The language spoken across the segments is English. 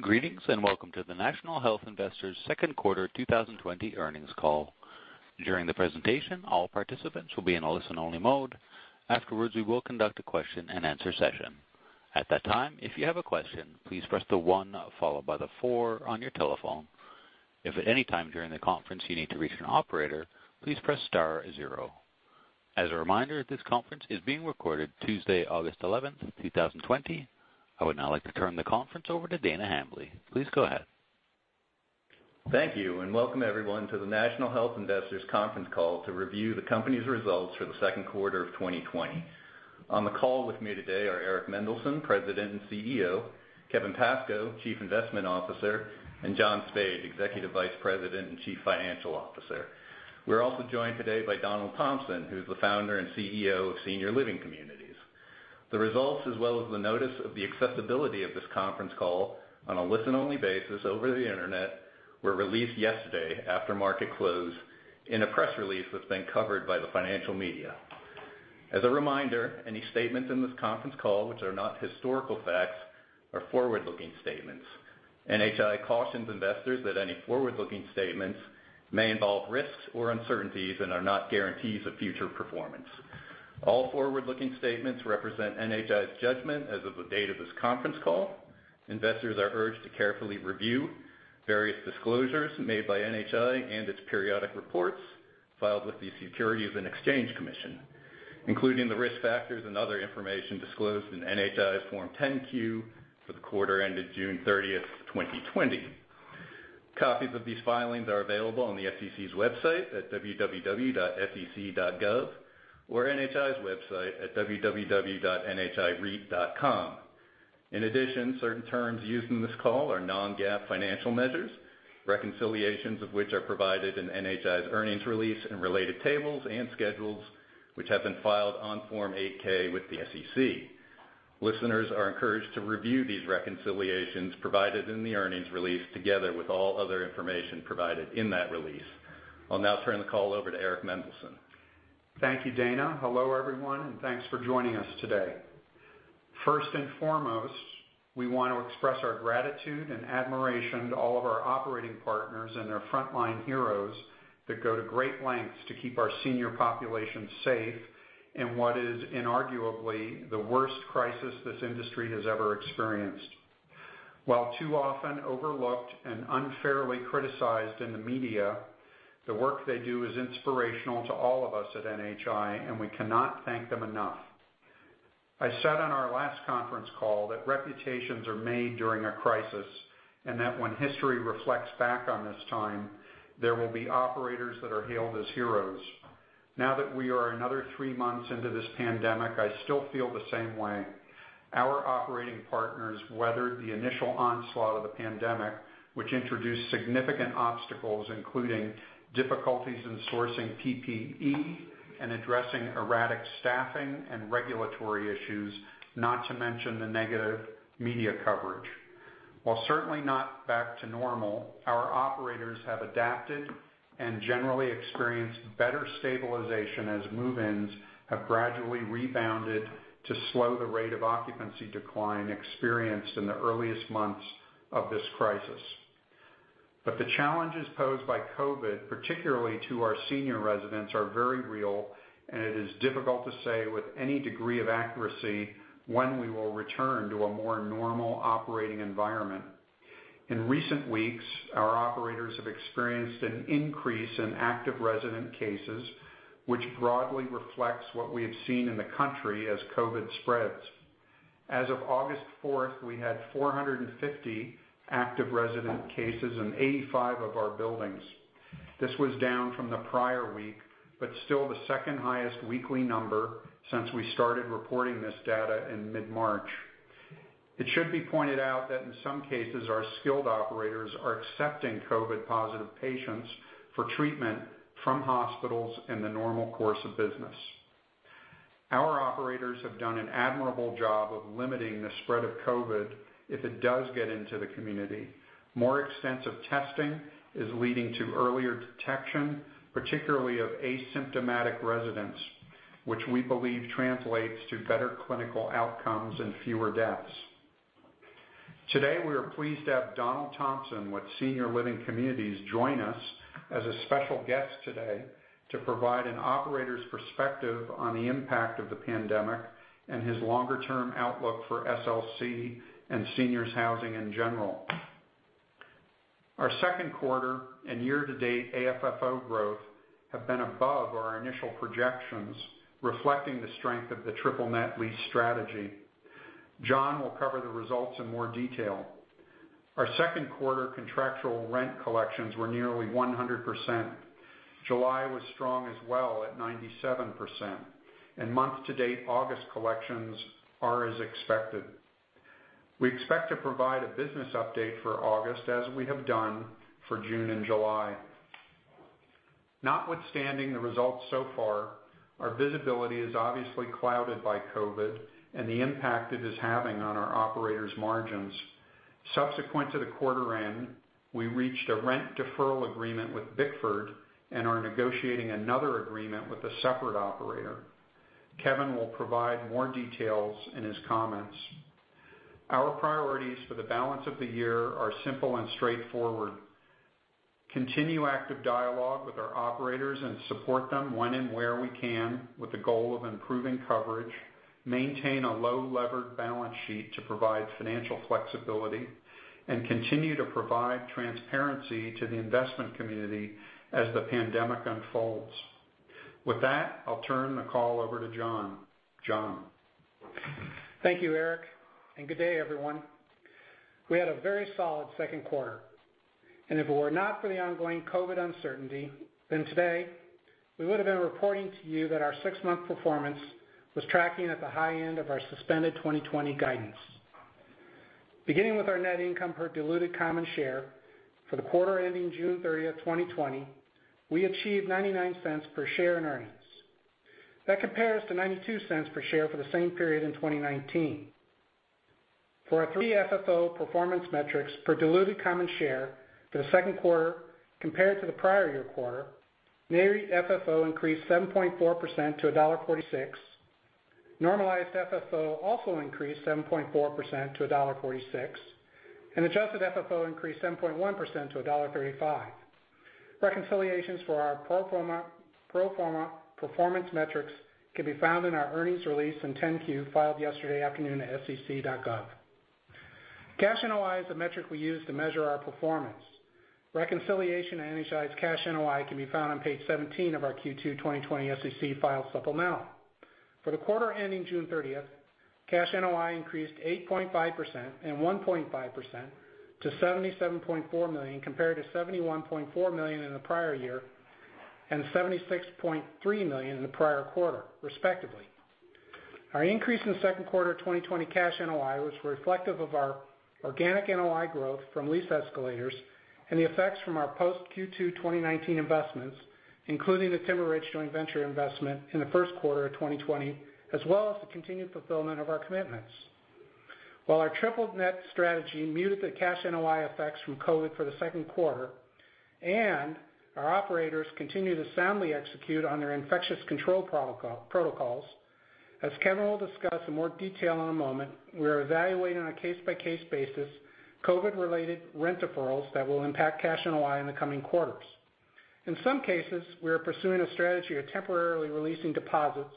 Greetings and welcome to the National Health Investors second quarter 2020 earnings call. During the presentation all participants will be in a listen only mode. Afterwards, we will conduct a question and answer session. At that time if you have a question, please press the one followed by the four on your telephone. If at any time during the conference, you need to reach an operator, please press star zero. As a reminder this conference is being recorded Tuesday, August 11th, 2020. I would now like to turn the conference over to Dana Hambly. Please go ahead. Thank you, and welcome everyone to the National Health Investors conference call to review the company's results for the second quarter of 2020. On the call with me today are Eric Mendelsohn, President and CEO, Kevin Pascoe, Chief Investment Officer, and John Spaid, Executive Vice President and Chief Financial Officer. We're also joined today by Donald Thompson, who's the Founder and CEO of Senior Living Communities. The results, as well as the notice of the accessibility of this conference call on a listen-only basis over the internet, were released yesterday after market close in a press release that's been covered by the financial media. As a reminder, any statements in this conference call which are not historical facts are forward-looking statements. NHI cautions investors that any forward-looking statements may involve risks or uncertainties and are not guarantees of future performance. All forward-looking statements represent NHI's judgment as of the date of this conference call. Investors are urged to carefully review various disclosures made by NHI and its periodic reports filed with the Securities and Exchange Commission, including the risk factors and other information disclosed in NHI's Form 10-Q for the quarter ended June 30th, 2020. Copies of these filings are available on the SEC's website at www.sec.gov or NHI's website at www.nhireit.com. In addition, certain terms used in this call are non-GAAP financial measures, reconciliations of which are provided in NHI's earnings release and related tables and schedules, which have been filed on Form 8-K with the SEC. Listeners are encouraged to review these reconciliations provided in the earnings release together with all other information provided in that release. I'll now turn the call over to Eric Mendelsohn. Thank you, Dana. Hello, everyone. Thanks for joining us today. First and foremost, we want to express our gratitude and admiration to all of our operating partners and their frontline heroes that go to great lengths to keep our senior population safe in what is inarguably the worst crisis this industry has ever experienced. While too often overlooked and unfairly criticized in the media, the work they do is inspirational to all of us at NHI, and we cannot thank them enough. I said on our last conference call that reputations are made during a crisis, and that when history reflects back on this time, there will be operators that are hailed as heroes. Now that we are another three months into this pandemic, I still feel the same way. Our operating partners weathered the initial onslaught of the pandemic, which introduced significant obstacles, including difficulties in sourcing PPE and addressing erratic staffing and regulatory issues, not to mention the negative media coverage. While certainly not back to normal, our operators have adapted and generally experienced better stabilization as move-ins have gradually rebounded to slow the rate of occupancy decline experienced in the earliest months of this crisis. The challenges posed by COVID, particularly to our senior residents, are very real, and it is difficult to say with any degree of accuracy when we will return to a more normal operating environment. In recent weeks, our operators have experienced an increase in active resident cases, which broadly reflects what we have seen in the country as COVID spreads. As of August 4th, we had 450 active resident cases in 85 of our buildings. This was down from the prior week, but still the second highest weekly number since we started reporting this data in mid-March. It should be pointed out that in some cases, our skilled operators are accepting COVID-positive patients for treatment from hospitals in the normal course of business. Our operators have done an admirable job of limiting the spread of COVID if it does get into the community. More extensive testing is leading to earlier detection, particularly of asymptomatic residents, which we believe translates to better clinical outcomes and fewer deaths. Today, we are pleased to have Donald Thompson with Senior Living Communities join us as a special guest today to provide an operator's perspective on the impact of the pandemic and his longer-term outlook for SLC and seniors housing in general. Our second quarter and year-to-date AFFO growth have been above our initial projections, reflecting the strength of the triple-net lease strategy. John will cover the results in more detail. Our second quarter contractual rent collections were nearly 100%. July was strong as well at 97%, and month-to-date August collections are as expected. We expect to provide a business update for August as we have done for June and July. Notwithstanding the results so far, our visibility is obviously clouded by COVID and the impact it is having on our operators' margins. Subsequent to the quarter end, we reached a rent deferral agreement with Bickford and are negotiating another agreement with a separate operator. Kevin will provide more details in his comments. Our priorities for the balance of the year are simple and straightforward. Continue active dialogue with our operators and support them when and where we can, with the goal of improving coverage, maintain a low-levered balance sheet to provide financial flexibility, and continue to provide transparency to the investment community as the pandemic unfolds. With that, I'll turn the call over to John. John. Thank you, Eric. Good day everyone. We had a very solid second quarter, and if it were not for the ongoing COVID uncertainty, then today, we would've been reporting to you that our six-month performance was tracking at the high end of our suspended 2020 guidance. Beginning with our net income per diluted common share for the quarter ending June 30th, 2020, we achieved $0.99 per share in earnings. That compares to $0.92 per share for the same period in 2019. For our three FFO performance metrics per diluted common share for the second quarter compared to the prior year quarter, Nareit FFO increased 7.4% to $1.46, normalized FFO also increased 7.4% to $1.46, and adjusted FFO increased 7.1% to $1.35. Reconciliations for our pro forma performance metrics can be found in our earnings release in 10-Q filed yesterday afternoon at sec.gov. Cash NOI is the metric we use to measure our performance. Reconciliation to NHI's cash NOI can be found on page 17 of our Q2 2020 SEC file supplemental. For the quarter ending June 30th, cash NOI increased 8.5% and 1.5% to $77.4 million, compared to $71.4 million in the prior year, and $76.3 million in the prior quarter respectively. Our increase in second quarter 2020 cash NOI was reflective of our organic NOI growth from lease escalators and the effects from our post Q2 2019 investments, including the Timber Ridge joint venture investment in the first quarter of 2020, as well as the continued fulfillment of our commitments. While our triple net strategy muted the cash NOI effects from COVID for the second quarter, and our operators continue to soundly execute on their infectious control protocols, as Kevin will discuss in more detail in a moment, we are evaluating on a case-by-case basis, COVID related rent deferrals that will impact cash NOI in the coming quarters. In some cases, we are pursuing a strategy of temporarily releasing deposits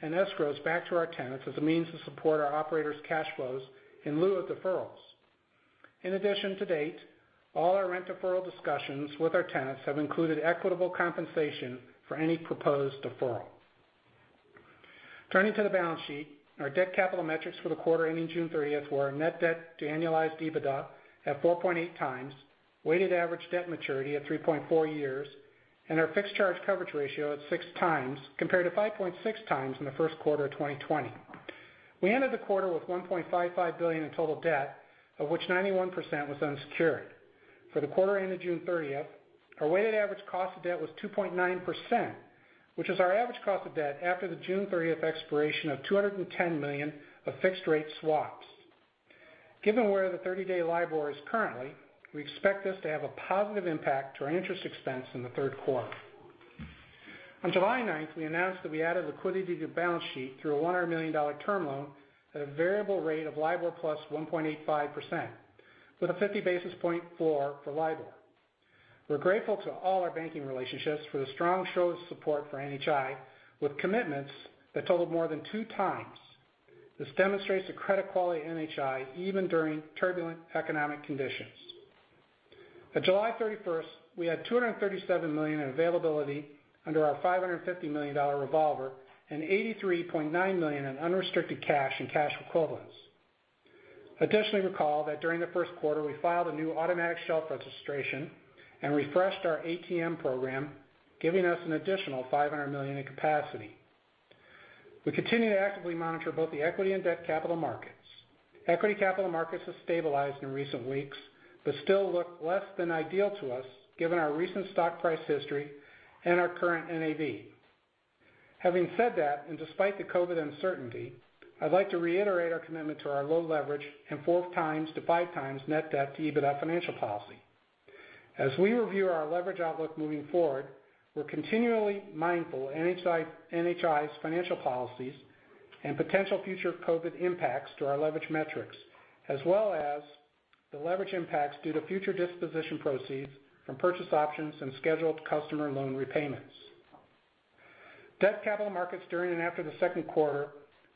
and escrows back to our tenants as a means to support our operators' cash flows in lieu of deferrals. In addition to date, all our rent deferral discussions with our tenants have included equitable compensation for any proposed deferral. Turning to the balance sheet, our debt capital metrics for the quarter ending June 30th, were our net debt to annualized EBITDA at 4.8x, weighted average debt maturity at 3.4 years, and our fixed charge coverage ratio at 6x compared to 5.6x in the first quarter of 2020. We ended the quarter with $1.55 billion in total debt, of which 91% was unsecured. For the quarter ending June 30th, our weighted average cost of debt was 2.9%, which is our average cost of debt after the June 30th expiration of $210 million of fixed rate swaps. Given where the 30-day LIBOR is currently, we expect this to have a positive impact to our interest expense in the third quarter. On July 9th, we announced that we added liquidity to balance sheet through a $100 million term loan at a variable rate of LIBOR +1.85%, with a 50 basis point floor for LIBOR. We're grateful to all our banking relationships for the strong show of support for NHI, with commitments that totaled more than two times. This demonstrates the credit quality of NHI even during turbulent economic conditions. At July 31st, we had $237 million in availability under our $550 million revolver, and $83.9 million in unrestricted cash and cash equivalents. Additionally, recall that during the first quarter we filed a new automatic shelf registration and refreshed our At-the-market program, giving us an additional $500 million in capacity. We continue to actively monitor both the equity and debt capital markets. Equity capital markets have stabilized in recent weeks, but still look less than ideal to us given our recent stock price history and our current NAV. Having said that, and despite the COVID uncertainty, I'd like to reiterate our commitment to our low leverage and 4x to 5x net debt to EBITDA financial policy. As we review our leverage outlook moving forward, we're continually mindful of NHI's financial policies and potential future COVID impacts to our leverage metrics, as well as the leverage impacts due to future disposition proceeds from purchase options and scheduled customer loan repayments. Debt capital markets during and after the second quarter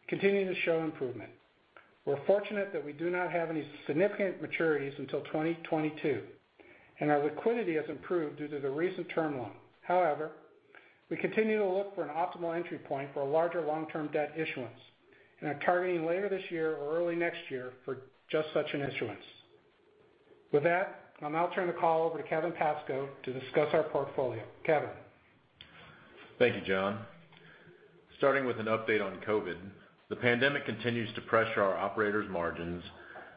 continue to show improvement. We're fortunate that we do not have any significant maturities until 2022, and our liquidity has improved due to the recent term loan. We continue to look for an optimal entry point for a larger long-term debt issuance, and are targeting later this year or early next year for just such an issuance. With that, I'll now turn the call over to Kevin Pascoe to discuss our portfolio. Kevin. Thank you, John. Starting with an update on COVID. The pandemic continues to pressure our operators' margins,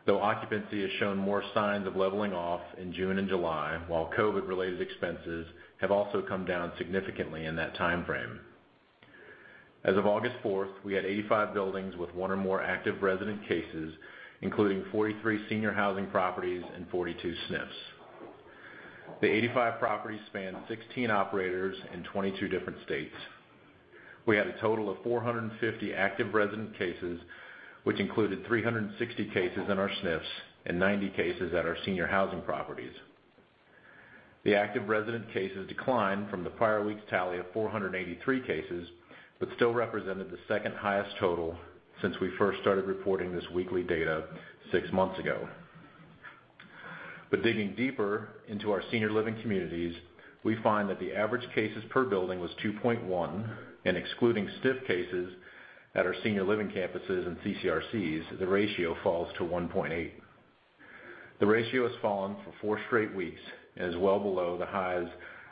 though occupancy has shown more signs of leveling off in June and July, while COVID related expenses have also come down significantly in that timeframe. As of August 4th, we had 85 buildings with one or more active resident cases, including 43 senior housing properties and 42 SNFs. The 85 properties span 16 operators in 22 different states. We had a total of 450 active resident cases, which included 360 cases in our SNFs and 90 cases at our senior housing properties. The active resident cases declined from the prior week's tally of 483 cases, still represented the second-highest total since we first started reporting this weekly data six months ago. Digging deeper into our senior living communities, we find that the average cases per building was 2.1, and excluding SNF cases at our senior living campuses and CCRCs, the ratio falls to 1.8. The ratio has fallen for four straight weeks and is well below the highs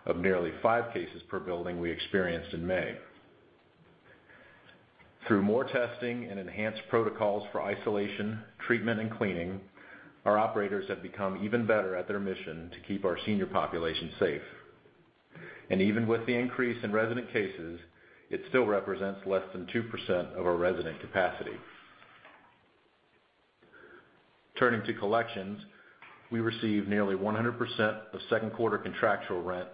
of nearly five cases per building we experienced in May. Through more testing and enhanced protocols for isolation, treatment, and cleaning, our operators have become even better at their mission to keep our senior population safe. Even with the increase in resident cases, it still represents less than 2% of our resident capacity. Turning to collections, we received nearly 100% of second quarter contractual rent,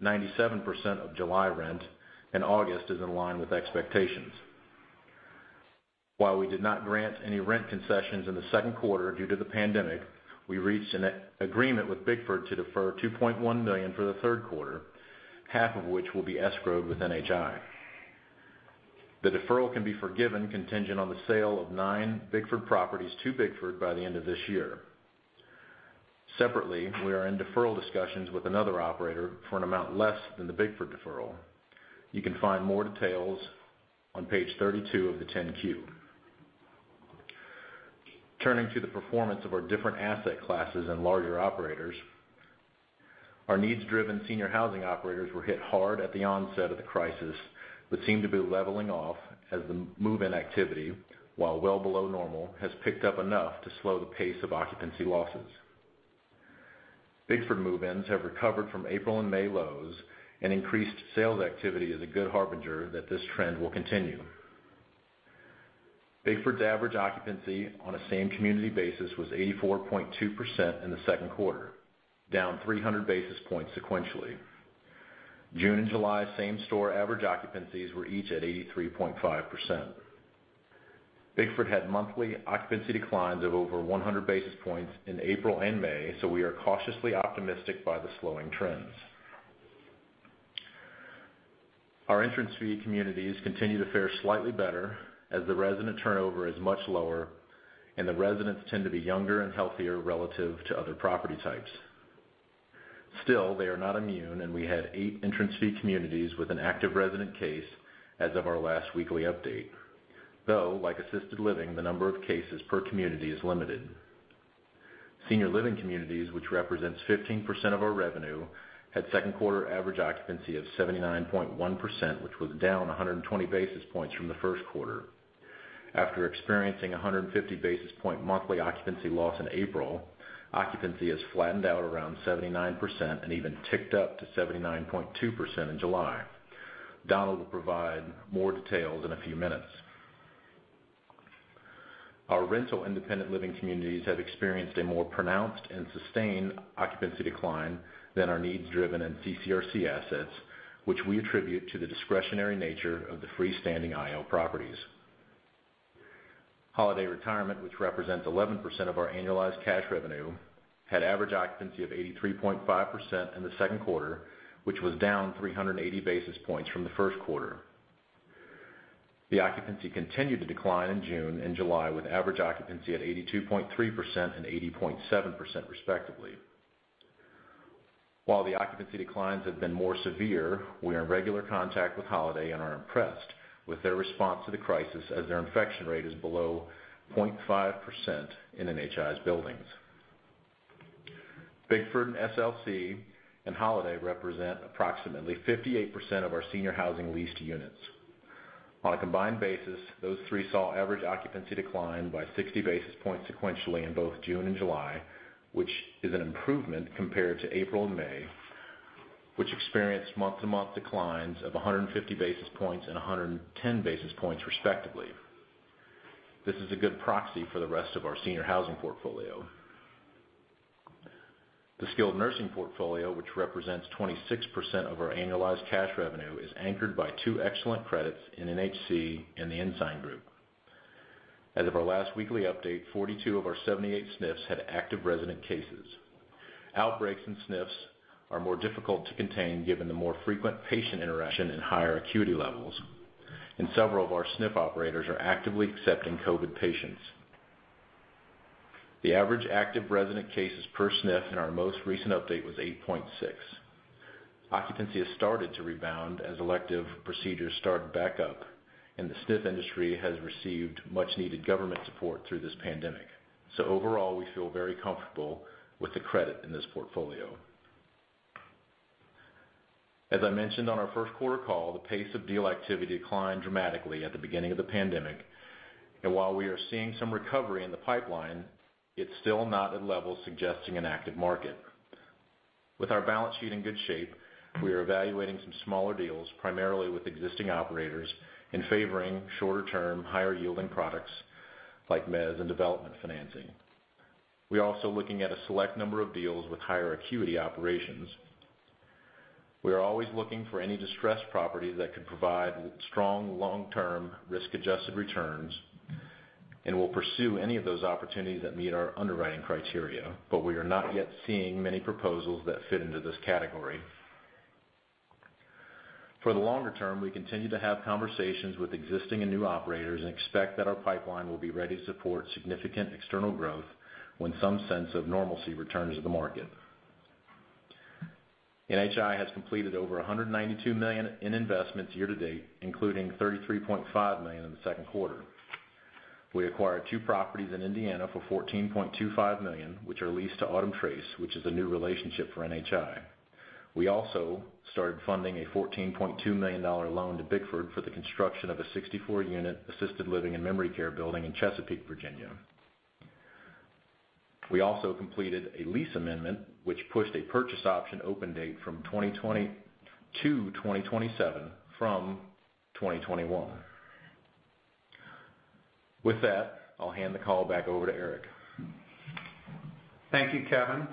97% of July rent, and August is in line with expectations. While we did not grant any rent concessions in the second quarter due to the pandemic, we reached an agreement with Bickford to defer $2.1 million for the third quarter, half of which will be escrowed with NHI. The deferral can be forgiven contingent on the sale of nine Bickford properties to Bickford by the end of this year. Separately, we are in deferral discussions with another operator for an amount less than the Bickford deferral. You can find more details on page 32 of the 10-Q. Turning to the performance of our different asset classes and larger operators, our needs-driven senior housing operators were hit hard at the onset of the crisis, but seem to be leveling off as the move-in activity, while well below normal, has picked up enough to slow the pace of occupancy losses. Bickford move-ins have recovered from April and May lows, and increased sales activity is a good harbinger that this trend will continue. Bickford's average occupancy on a same community basis was 84.2% in the second quarter, down 300 basis points sequentially. June and July same-store average occupancies were each at 83.5%. Bickford had monthly occupancy declines of over 100 basis points in April and May, we are cautiously optimistic by the slowing trends. Our entrance fee communities continue to fare slightly better as the resident turnover is much lower, and the residents tend to be younger and healthier relative to other property types. Still, they are not immune, and we had eight entrance fee communities with an active resident case as of our last weekly update. Though, like assisted living, the number of cases per community is limited. Senior Living Communities, which represents 15% of our revenue, had second quarter average occupancy of 79.1%, which was down 120 basis points from the first quarter. After experiencing 150 basis point monthly occupancy loss in April, occupancy has flattened out around 79% and even ticked up to 79.2% in July. Donald will provide more details in a few minutes. Our rental independent living communities have experienced a more pronounced and sustained occupancy decline than our needs-driven and CCRC assets, which we attribute to the discretionary nature of the freestanding IL properties. Holiday Retirement, which represents 11% of our annualized cash revenue, had average occupancy of 83.5% in the second quarter, which was down 380 basis points from the first quarter. The occupancy continued to decline in June and July, with average occupancy at 82.3% and 80.7% respectively. While the occupancy declines have been more severe, we are in regular contact with Holiday and are impressed with their response to the crisis, as their infection rate is below 0.5% in NHI's buildings. Bickford and SLC and Holiday represent approximately 58% of our senior housing leased units. On a combined basis, those three saw average occupancy decline by 60 basis points sequentially in both June and July, which is an improvement compared to April and May, which experienced month-to-month declines of 150 basis points and 110 basis points respectively. This is a good proxy for the rest of our senior housing portfolio. The skilled nursing portfolio, which represents 26% of our annualized cash revenue, is anchored by two excellent credits in NHC and the Ensign Group. As of our last weekly update, 42 of our 78 SNFs had active resident cases. Outbreaks in SNFs are more difficult to contain given the more frequent patient interaction and higher acuity levels, and several of our SNF operators are actively accepting COVID patients. The average active resident cases per SNF in our most recent update was 8.6. Occupancy has started to rebound as elective procedures start back up and the SNF industry has received much needed government support through this pandemic. Overall, we feel very comfortable with the credit in this portfolio. As I mentioned on our first quarter call, the pace of deal activity declined dramatically at the beginning of the pandemic, and while we are seeing some recovery in the pipeline, it's still not at levels suggesting an active market. With our balance sheet in good shape, we are evaluating some smaller deals, primarily with existing operators, and favoring shorter-term, higher-yielding products like mezz and development financing. We're also looking at a select number of deals with higher acuity operations. We are always looking for any distressed property that could provide strong long-term risk-adjusted returns, and we'll pursue any of those opportunities that meet our underwriting criteria, but we are not yet seeing many proposals that fit into this category. For the longer term, we continue to have conversations with existing and new operators and expect that our pipeline will be ready to support significant external growth when some sense of normalcy returns to the market. NHI has completed over $192 million in investments year to date, including $33.5 million in the second quarter. We acquired two properties in Indiana for $14.25 million, which are leased to Autumn Trace, which is a new relationship for NHI. We also started funding a $14.2 million loan to Bickford for the construction of a 64-unit assisted living and memory care building in Chesapeake, Virginia. We also completed a lease amendment, which pushed a purchase option open date to 2027 from 2021. With that, I'll hand the call back over to Eric. Thank you, Kevin.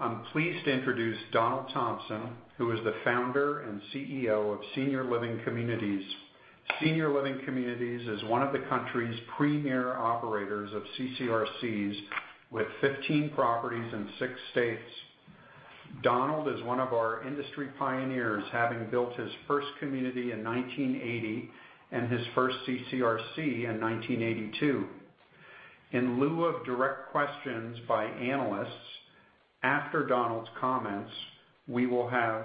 I'm pleased to introduce Donald Thompson, who is the founder and CEO of Senior Living Communities. Senior Living Communities is one of the country's premier operators of CCRCs, with 15 properties in six states. Donald is one of our industry pioneers, having built his first community in 1980 and his first CCRC in 1982. In lieu of direct questions by analysts, after Donald's comments, we will have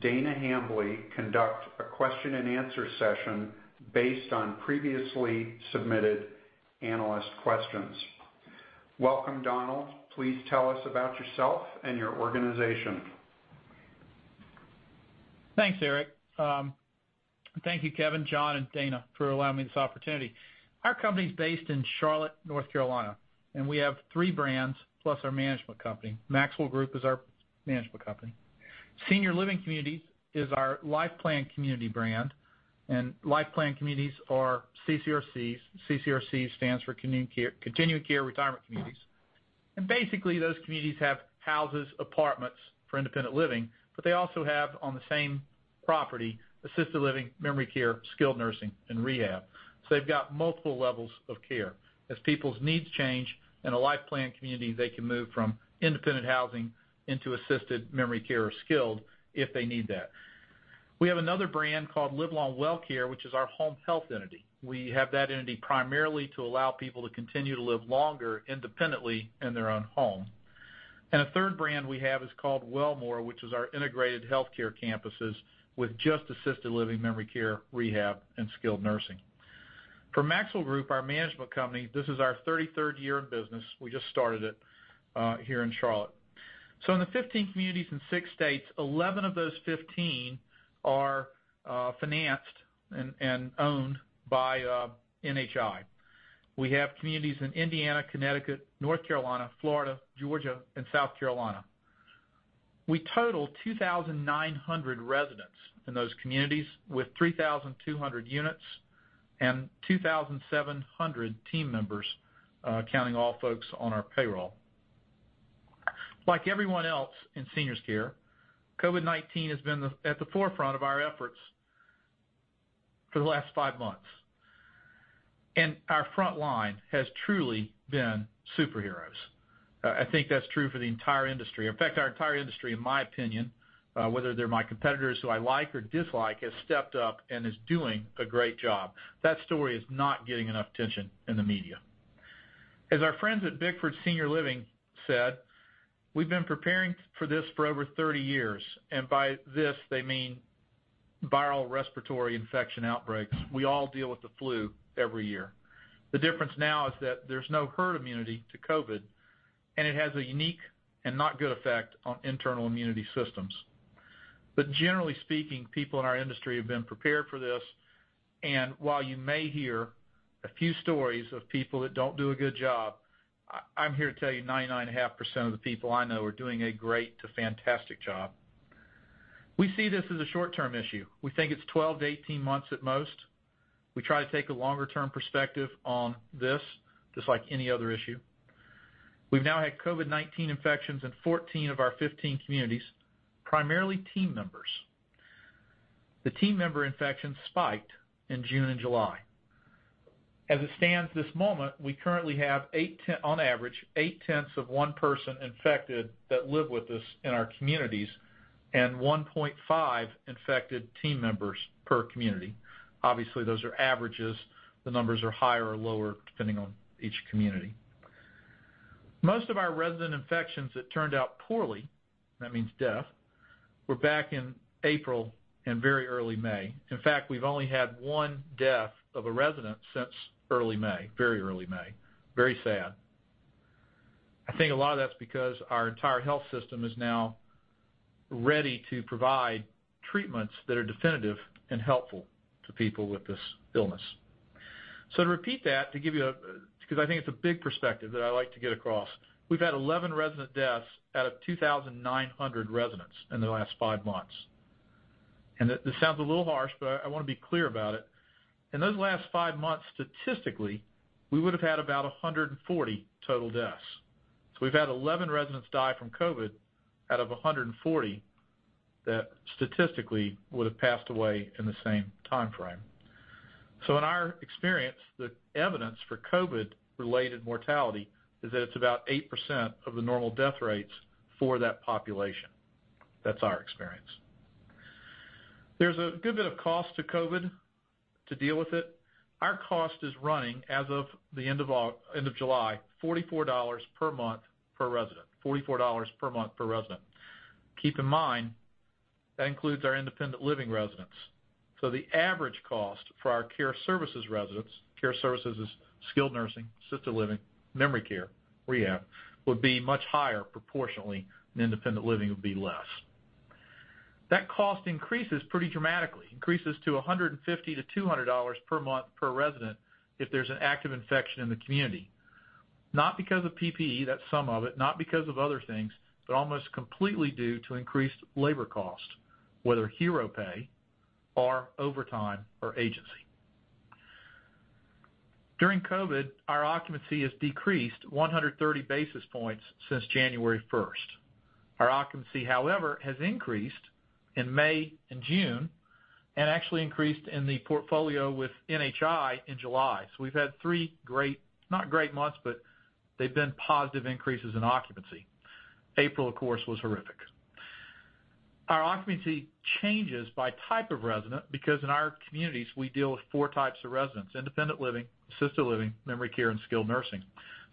Dana Hambly conduct a question-and-answer session based on previously submitted analyst questions. Welcome, Donald. Please tell us about yourself and your organization. Thanks, Eric. Thank you, Kevin, John, and Dana, for allowing me this opportunity. Our company's based in Charlotte, North Carolina. We have three brands, plus our management company. Maxwell Group is our management company. Senior Living Communities is our life plan community brand, and life plan communities are CCRCs. CCRC stands for Continuing Care Retirement Communities. Basically, those communities have houses, apartments for independent living, but they also have, on the same property, assisted living, memory care, skilled nursing, and rehab. They've got multiple levels of care. As people's needs change, in a life plan community, they can move from independent housing into assisted memory care or skilled if they need that. We have another brand called Live Long Well Care, which is our home health entity. We have that entity primarily to allow people to continue to live longer independently in their own home. A third brand we have is called Wellmore, which is our integrated healthcare campuses with just assisted living, memory care, rehab, and skilled nursing. For Maxwell Group, our management company, this is our 33rd year in business. We just started it here in Charlotte. In the 15 communities in six states, 11 of those 15 are financed and owned by NHI. We have communities in Indiana, Connecticut, North Carolina, Florida, Georgia, and South Carolina. We total 2,900 residents in those communities with 3,200 units and 2,700 team members counting all folks on our payroll. Like everyone else in seniors care, COVID-19 has been at the forefront of our efforts for the last five months, and our front line has truly been superheroes. I think that's true for the entire industry. In fact, our entire industry, in my opinion, whether they're my competitors who I like or dislike, has stepped up and is doing a great job. That story is not getting enough attention in the media. As our friends at Bickford Senior Living said, we've been preparing for this for over 30 years, and by this, they mean viral respiratory infection outbreaks. We all deal with the flu every year. The difference now is that there's no herd immunity to COVID, and it has a unique and not good effect on internal immunity systems. Generally speaking, people in our industry have been prepared for this, and while you may hear a few stories of people that don't do a good job, I'm here to tell you 99.5% of the people I know are doing a great to fantastic job. We see this as a short-term issue. We think it's 12-18 months at most. We try to take a longer-term perspective on this, just like any other issue. We've now had COVID-19 infections in 14 of our 15 communities, primarily team members. The team member infections spiked in June and July. As it stands this moment, we currently have, on average, 0.8 of one person infected that live with us in our communities and 1.5 infected team members per community. Obviously, those are averages. The numbers are higher or lower depending on each community. Most of our resident infections that turned out poorly, that means death, were back in April and very early May. In fact, we've only had one death of a resident since early May, very early May. Very sad. I think a lot of that's because our entire health system is now ready to provide treatments that are definitive and helpful to people with this illness. To repeat that, because I think it's a big perspective that I like to get across, we've had 11 resident deaths out of 2,900 residents in the last five months. This sounds a little harsh, but I want to be clear about it. In those last five months, statistically, we would have had about 140 total deaths. We've had 11 residents die from COVID out of 140 that statistically would have passed away in the same time frame. In our experience, the evidence for COVID-related mortality is that it's about 8% of the normal death rates for that population. That's our experience. There's a good bit of cost to COVID to deal with it. Our cost is running, as of the end of July, $44 per month per resident. Keep in mind, that includes our independent living residents. The average cost for our care services residents, care services is skilled nursing, assisted living, memory care, rehab, would be much higher proportionally than independent living would be less. That cost increases pretty dramatically. Increases to $150-$200 per month per resident if there's an active infection in the community. Not because of PPE, that's some of it, not because of other things, but almost completely due to increased labor cost, whether hero pay or overtime or agency. During COVID, our occupancy has decreased 130 basis points since January 1st. Our occupancy, however, has increased in May and June, and actually increased in the portfolio with NHI in July. We've had three great, not great months, but they've been positive increases in occupancy. April, of course, was horrific. Our occupancy changes by type of resident because in our communities, we deal with four types of residents, independent living, assisted living, memory care, and skilled nursing.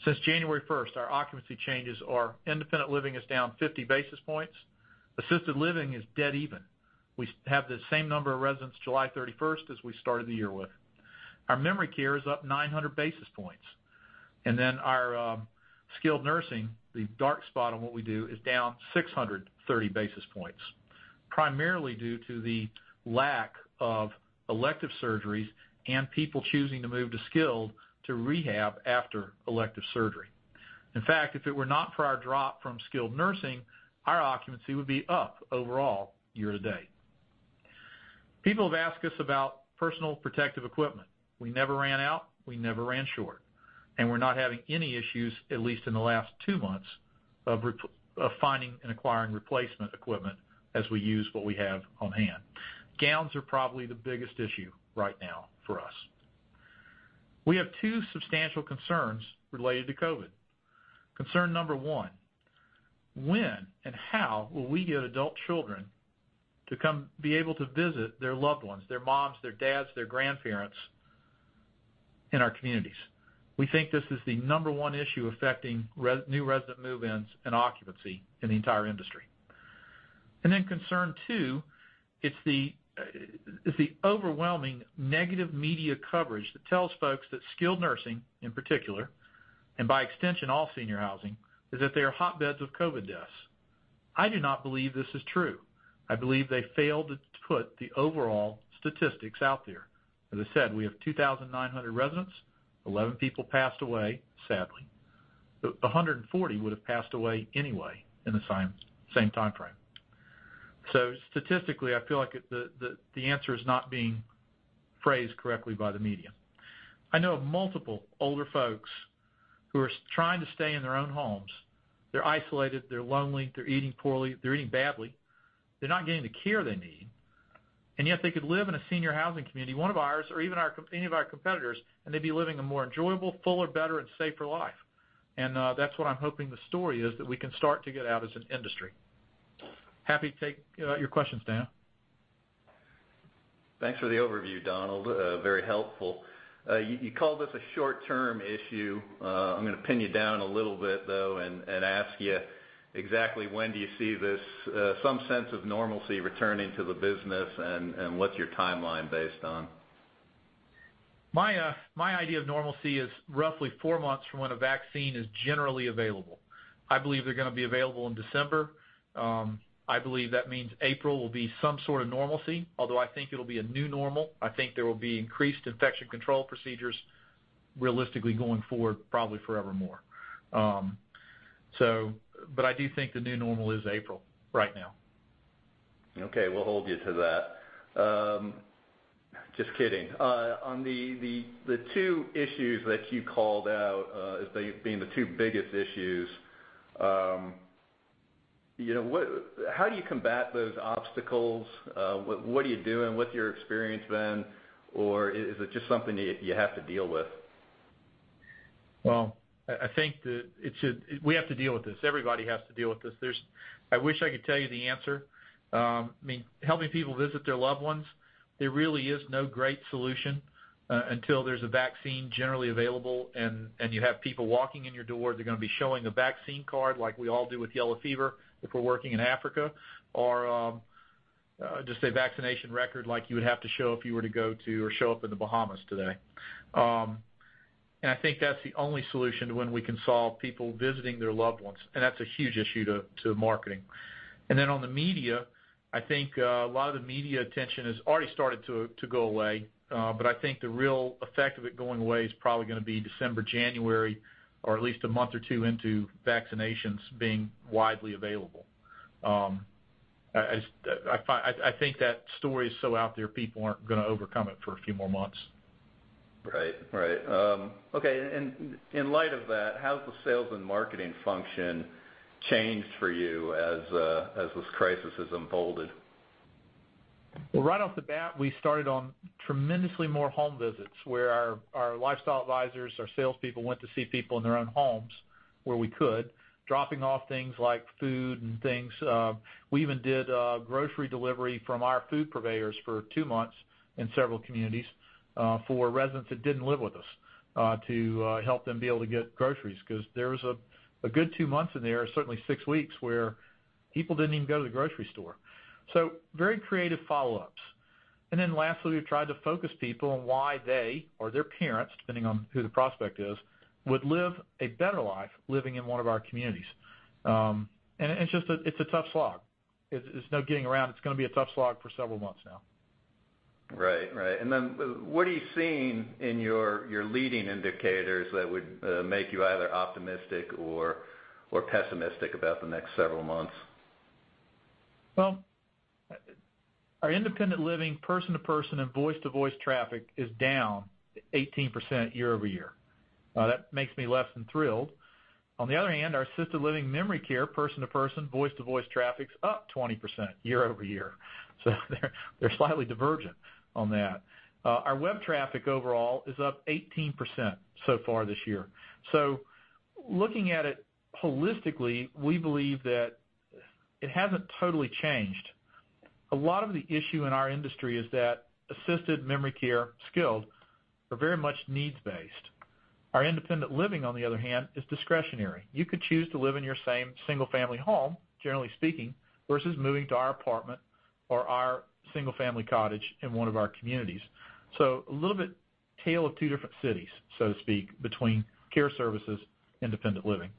Since January 1st, our occupancy changes are independent living is down 50 basis points. Assisted living is dead even. We have the same number of residents July 31st as we started the year with. Our memory care is up 900 basis points. Then our skilled nursing, the dark spot on what we do is down 630 basis points, primarily due to the lack of elective surgeries and people choosing to move to skilled to rehab after elective surgery. In fact, if it were not for our drop from skilled nursing, our occupancy would be up overall year to date. People have asked us about personal protective equipment. We never ran out, we never ran short, and we're not having any issues, at least in the last two months, of finding and acquiring replacement equipment as we use what we have on hand. Gowns are probably the biggest issue right now for us. We have two substantial concerns related to COVID. Concern number one, when and how will we get adult children to come be able to visit their loved ones, their moms, their dads, their grandparents in our communities? We think this is the number one issue affecting new resident move-ins and occupancy in the entire industry. Concern two, it's the overwhelming negative media coverage that tells folks that skilled nursing, in particular, and by extension, all senior housing, is that they are hotbeds of COVID deaths. I do not believe this is true. I believe they failed to put the overall statistics out there. As I said, we have 2,900 residents, 11 people passed away, sadly. 140 would have passed away anyway in the same time frame. Statistically, I feel like the answer is not being phrased correctly by the media. I know of multiple older folks who are trying to stay in their own homes. They're isolated, they're lonely, they're eating poorly, they're eating badly. They're not getting the care they need, and yet they could live in a senior housing community, one of ours or even any of our competitors, and they'd be living a more enjoyable, fuller, better, and safer life. That's what I'm hoping the story is that we can start to get out as an industry. Happy to take your questions, Dana. Thanks for the overview, Donald. Very helpful. You called this a short-term issue. I'm going to pin you down a little bit, though and ask you exactly when do you see some sense of normalcy returning to the business and what's your timeline based on? My idea of normalcy is roughly four months from when a vaccine is generally available. I believe they're going to be available in December. I believe that means April will be some sort of normalcy, although I think it'll be a new normal. I think there will be increased infection control procedures realistically going forward probably forevermore. I do think the new normal is April right now. Okay, we'll hold you to that. Just kidding. On the two issues that you called out as being the two biggest issues, how do you combat those obstacles? What are you doing? What's your experience been? Or is it just something that you have to deal with? Well, I think that we have to deal with this. Everybody has to deal with this. I wish I could tell you the answer. Helping people visit their loved ones, there really is no great solution until there's a vaccine generally available and you have people walking in your door. They're going to be showing a vaccine card like we all do with yellow fever if we're working in Africa, or just a vaccination record like you would have to show if you were to go to or show up in the Bahamas today. I think that's the only solution to when we can solve people visiting their loved ones, and that's a huge issue to marketing. Then on the media, I think a lot of the media attention has already started to go away. I think the real effect of it going away is probably going to be December, January, or at least a month or two into vaccinations being widely available. I think that story is so out there, people aren't going to overcome it for a few more months. Right. Okay. In light of that, how has the sales and marketing function changed for you as this crisis has unfolded? Right off the bat, we started on tremendously more home visits where our lifestyle advisors, our salespeople, went to see people in their own homes, where we could, dropping off things like food and things. We even did grocery delivery from our food purveyors for two months in several communities, for residents that didn't live with us, to help them be able to get groceries. There was a good two months in there, certainly six weeks, where people didn't even go to the grocery store. Very creative follow-ups. Lastly, we've tried to focus people on why they or their parents, depending on who the prospect is, would live a better life living in one of our communities. It's a tough slog. There's no getting around it. It's going to be a tough slog for several months now. Right. What are you seeing in your leading indicators that would make you either optimistic or pessimistic about the next several months? Well, our independent living person-to-person and voice-to-voice traffic is down 18% year-over-year. That makes me less than thrilled. On the other hand, our assisted living memory care, person-to-person, voice-to-voice traffic's up 20% year-over-year. They're slightly divergent on that. Our web traffic overall is up 18% so far this year. Looking at it holistically, we believe that it hasn't totally changed. A lot of the issue in our industry is that assisted memory care, skilled, are very much needs-based. Our independent living, on the other hand, is discretionary. You could choose to live in your same single-family home, generally speaking, versus moving to our apartment or our single-family cottage in one of our communities. A little bit tale of two different cities, so to speak, between care services, independent living.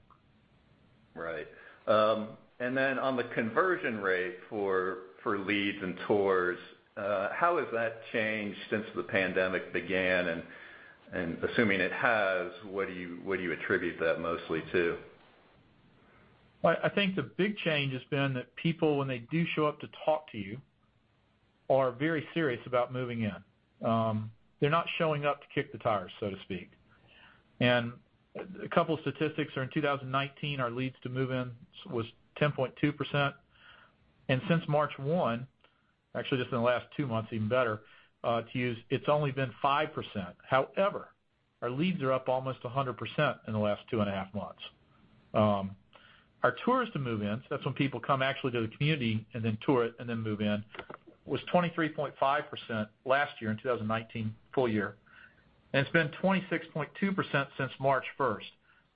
Right. On the conversion rate for leads and tours, how has that changed since the pandemic began? Assuming it has, what do you attribute that mostly to? I think the big change has been that people, when they do show up to talk to you, are very serious about moving in. They're not showing up to kick the tires, so to speak. A couple statistics are in 2019, our leads to move in was 10.2%. Since March 1, actually just in the last two months, even better to use, it's only been 5%. However, our leads are up almost 100% in the last two and a half months. Our tours to move-ins, that's when people come actually to the community and then tour it and then move in, was 23.5% last year in 2019, full year. It's been 26.2% since March 1st.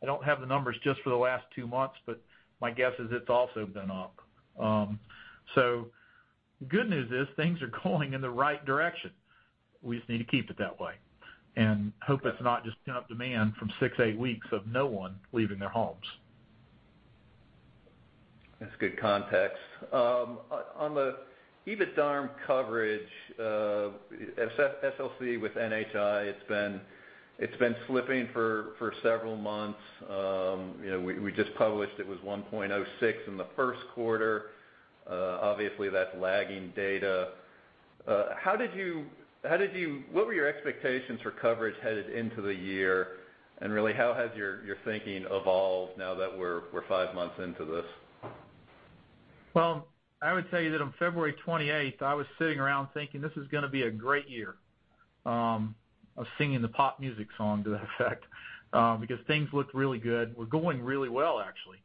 I don't have the numbers just for the last two months, but my guess is it's also been up. The good news is things are going in the right direction. We just need to keep it that way and hope that's not just pent-up demand from six, eight weeks of no one leaving their homes. That's good context. On the EBITDA coverage, SLC with NHI, it's been slipping for several months. We just published it was 1.06 in the first quarter. Obviously, that's lagging data. What were your expectations for coverage headed into the year, really how has your thinking evolved now that we're five months into this? Well, I would tell you that on February 28th, I was sitting around thinking, "This is going to be a great year." I was singing the pop music song to that effect because things looked really good. We're going really well, actually.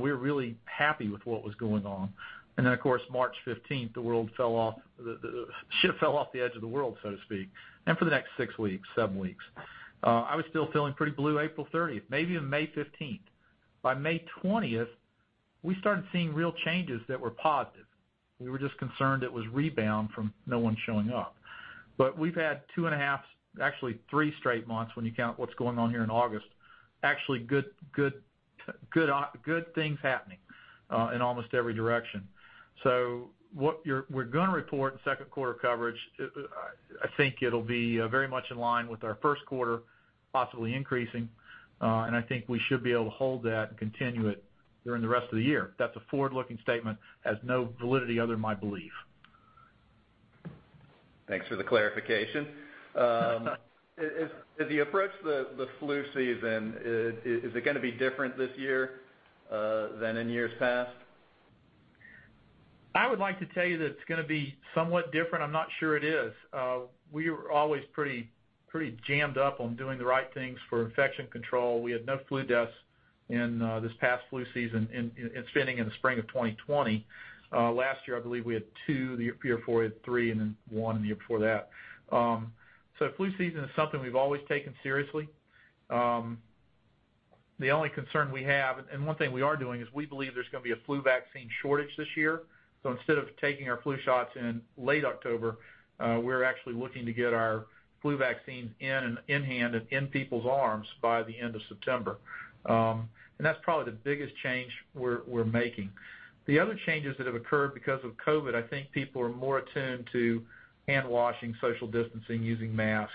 We were really happy with what was going on. Then, of course, March 15th, the ship fell off the edge of the world, so to speak, and for the next six weeks, seven weeks. I was still feeling pretty blue April 30th, maybe even May 15th. By May 20th, we started seeing real changes that were positive. We were just concerned it was rebound from no one showing up. We've had two and a half, actually three straight months when you count what's going on here in August, actually good things happening, in almost every direction. What we're going to report second quarter coverage, I think it'll be very much in line with our first quarter, possibly increasing. I think we should be able to hold that and continue it during the rest of the year. That's a forward-looking statement, has no validity other than my belief. Thanks for the clarification. As you approach the flu season, is it going to be different this year, than in years past? I would like to tell you that it's going to be somewhat different. I'm not sure it is. We are always pretty jammed up on doing the right things for infection control. We had no flu deaths in this past flu season, and it's ending in the spring of 2020. Last year, I believe we had two, the year before we had three, and then one the year before that. Flu season is something we've always taken seriously. The only concern we have, and one thing we are doing is we believe there's going to be a flu vaccine shortage this year. Instead of taking our flu shots in late October, we're actually looking to get our flu vaccines in hand and in people's arms by the end of September. That's probably the biggest change we're making. The other changes that have occurred because of COVID, I think people are more attuned to hand washing, social distancing, using mask,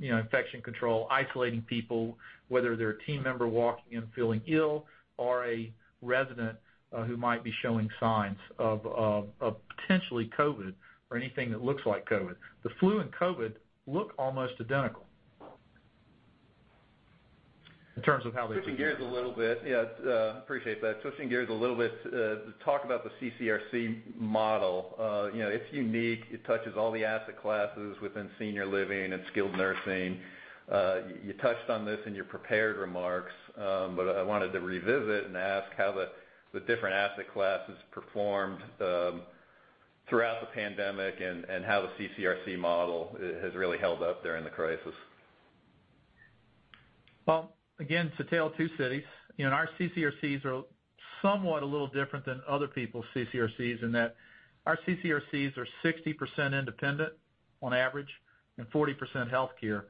infection control, isolating people, whether they're a team member walking in feeling ill or a resident who might be showing signs of potentially COVID or anything that looks like COVID. The flu and COVID look almost identical in terms of how they- Switching gears a little bit. Yeah, appreciate that. Switching gears a little bit, talk about the CCRC model. It's unique. It touches all the asset classes within senior living and skilled nursing. You touched on this in your prepared remarks. I wanted to revisit and ask how the different asset classes performed throughout the pandemic and how the CCRC model has really held up during the crisis? Well, again, it's a tale of two cities. Our CCRCs are somewhat a little different than other people's CCRCs in that our CCRCs are 60% independent on average and 40% healthcare.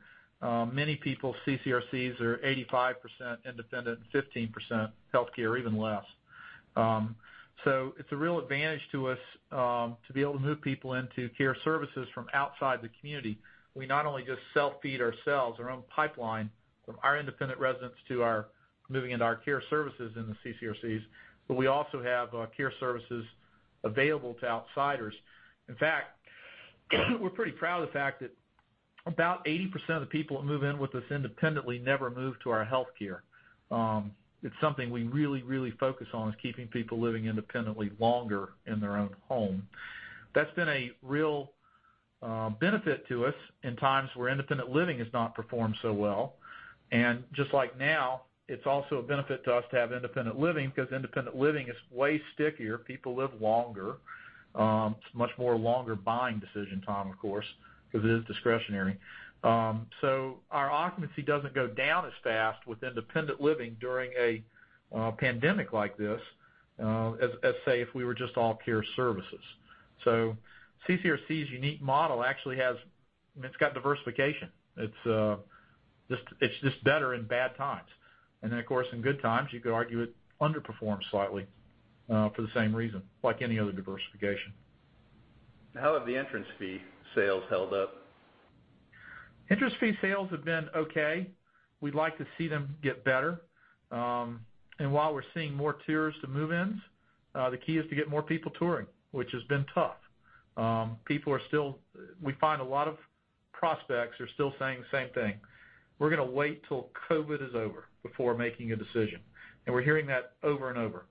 Many people's CCRCs are 85% independent and 15% healthcare, even less. It's a real advantage to us to be able to move people into care services from outside the community. We not only just self-feed ourselves, our own pipeline from our independent residents moving into our care services in the CCRCs, but we also have care services available to outsiders. In fact, we're pretty proud of the fact that about 80% of the people that move in with us independently never move to our healthcare. It's something we really focus on is keeping people living independently longer in their own home. That's been a real benefit to us in times where independent living has not performed so well. Just like now, it's also a benefit to us to have independent living because independent living is way stickier. People live longer. It's much more longer buying decision time, of course, because it is discretionary. Our occupancy doesn't go down as fast with independent living during a pandemic like this, as say if we were just all care services. CCRC's unique model actually has diversification. It's just better in bad times. Of course, in good times, you could argue it underperforms slightly for the same reason, like any other diversification. How have the entrance fee sales held up? Entrance fee sales have been okay. We'd like to see them get better. While we're seeing more tours to move-ins, the key is to get more people touring, which has been tough. We find a lot of prospects are still saying the same thing. We're going to wait till COVID is over before making a decision, and we're hearing that over and over.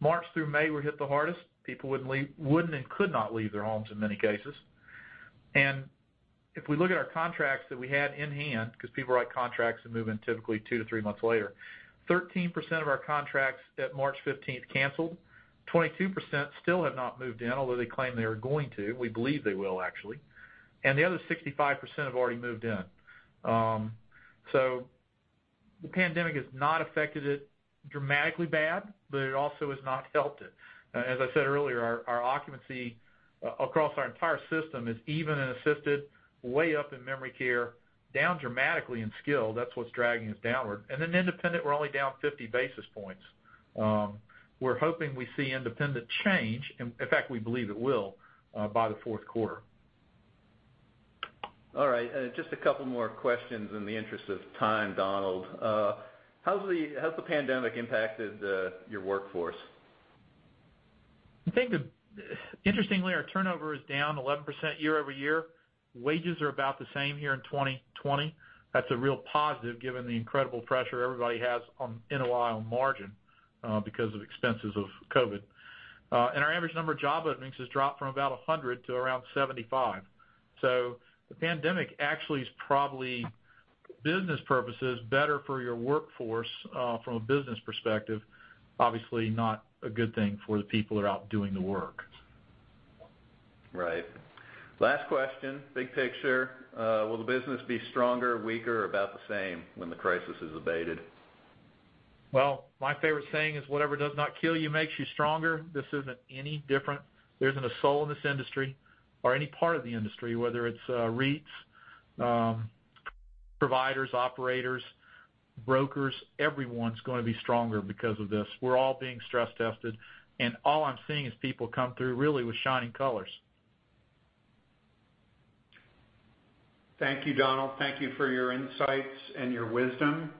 March through May were hit the hardest. People wouldn't and could not leave their homes in many cases. If we look at our contracts that we had in hand, because people write contracts and move in typically two to three months later, 13% of our contracts at March 15th canceled, 22% still have not moved in, although they claim they are going to. We believe they will actually. The other 65% have already moved in. The pandemic has not affected it dramatically bad, but it also has not helped it. I said earlier, our occupancy across our entire system is even in assisted, way up in memory care, down dramatically in skilled, that's what's dragging us downward. Independent, we're only down 50 basis points. We're hoping we see independent change, in fact, we believe it will, by the fourth quarter. All right. Just a couple more questions in the interest of time, Donald. How has the pandemic impacted your workforce? I think interestingly, our turnover is down 11% year-over-year. Wages are about the same here in 2020. That's a real positive given the incredible pressure everybody has in a while on margin because of expenses of COVID. Our average number of job openings has dropped from about 100 to around 75. The pandemic actually is probably, business purposes, better for your workforce from a business perspective. Obviously not a good thing for the people that are out doing the work. Right. Last question, big picture. Will the business be stronger, weaker, or about the same when the crisis has abated? Well, my favorite saying is whatever does not kill you makes you stronger. This isn't any different. There isn't a soul in this industry or any part of the industry, whether it's REITs, providers, operators, brokers, everyone's going to be stronger because of this. We're all being stress tested, and all I'm seeing is people come through really with shining colors. Thank you, Donald. Thank you for your insights and your wisdom.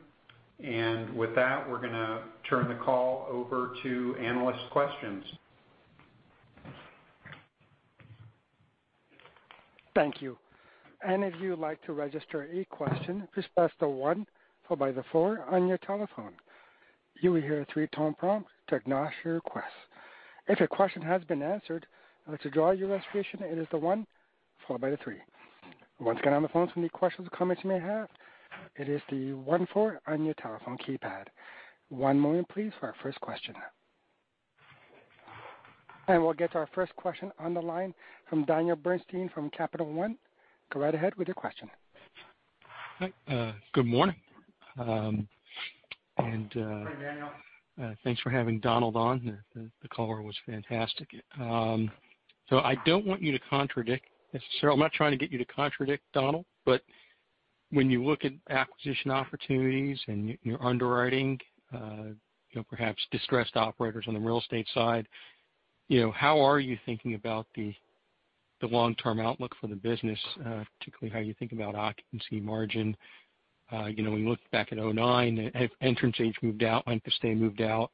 With that, we're going to turn the call over to analyst questions. Thank you. One moment please for our first question. We'll get to our first question on the line from Daniel Bernstein from Capital One. Go right ahead with your question. Hi. Good morning. Morning, Daniel. Thanks for having Donald on. The call was fantastic. I don't want you to contradict, necessarily. I'm not trying to get you to contradict Donald, but when you look at acquisition opportunities and your underwriting, perhaps distressed operators on the real estate side, how are you thinking about the long-term outlook for the business, particularly how you think about occupancy margin? When you look back at 2009, entrance age moved out, length of stay moved out,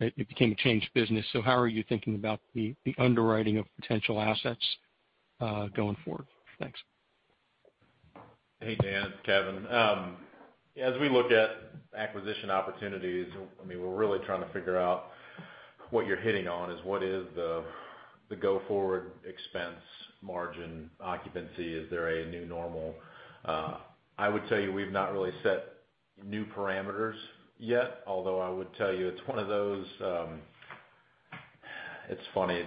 it became a changed business. How are you thinking about the underwriting of potential assets? Going forward. Thanks. Hey, Dan. It's Kevin. As we look at acquisition opportunities, we're really trying to figure out what you're hitting on is what is the go-forward expense margin occupancy. Is there a new normal? I would tell you, we've not really set new parameters yet, although I would tell you it's one of those, it's funny.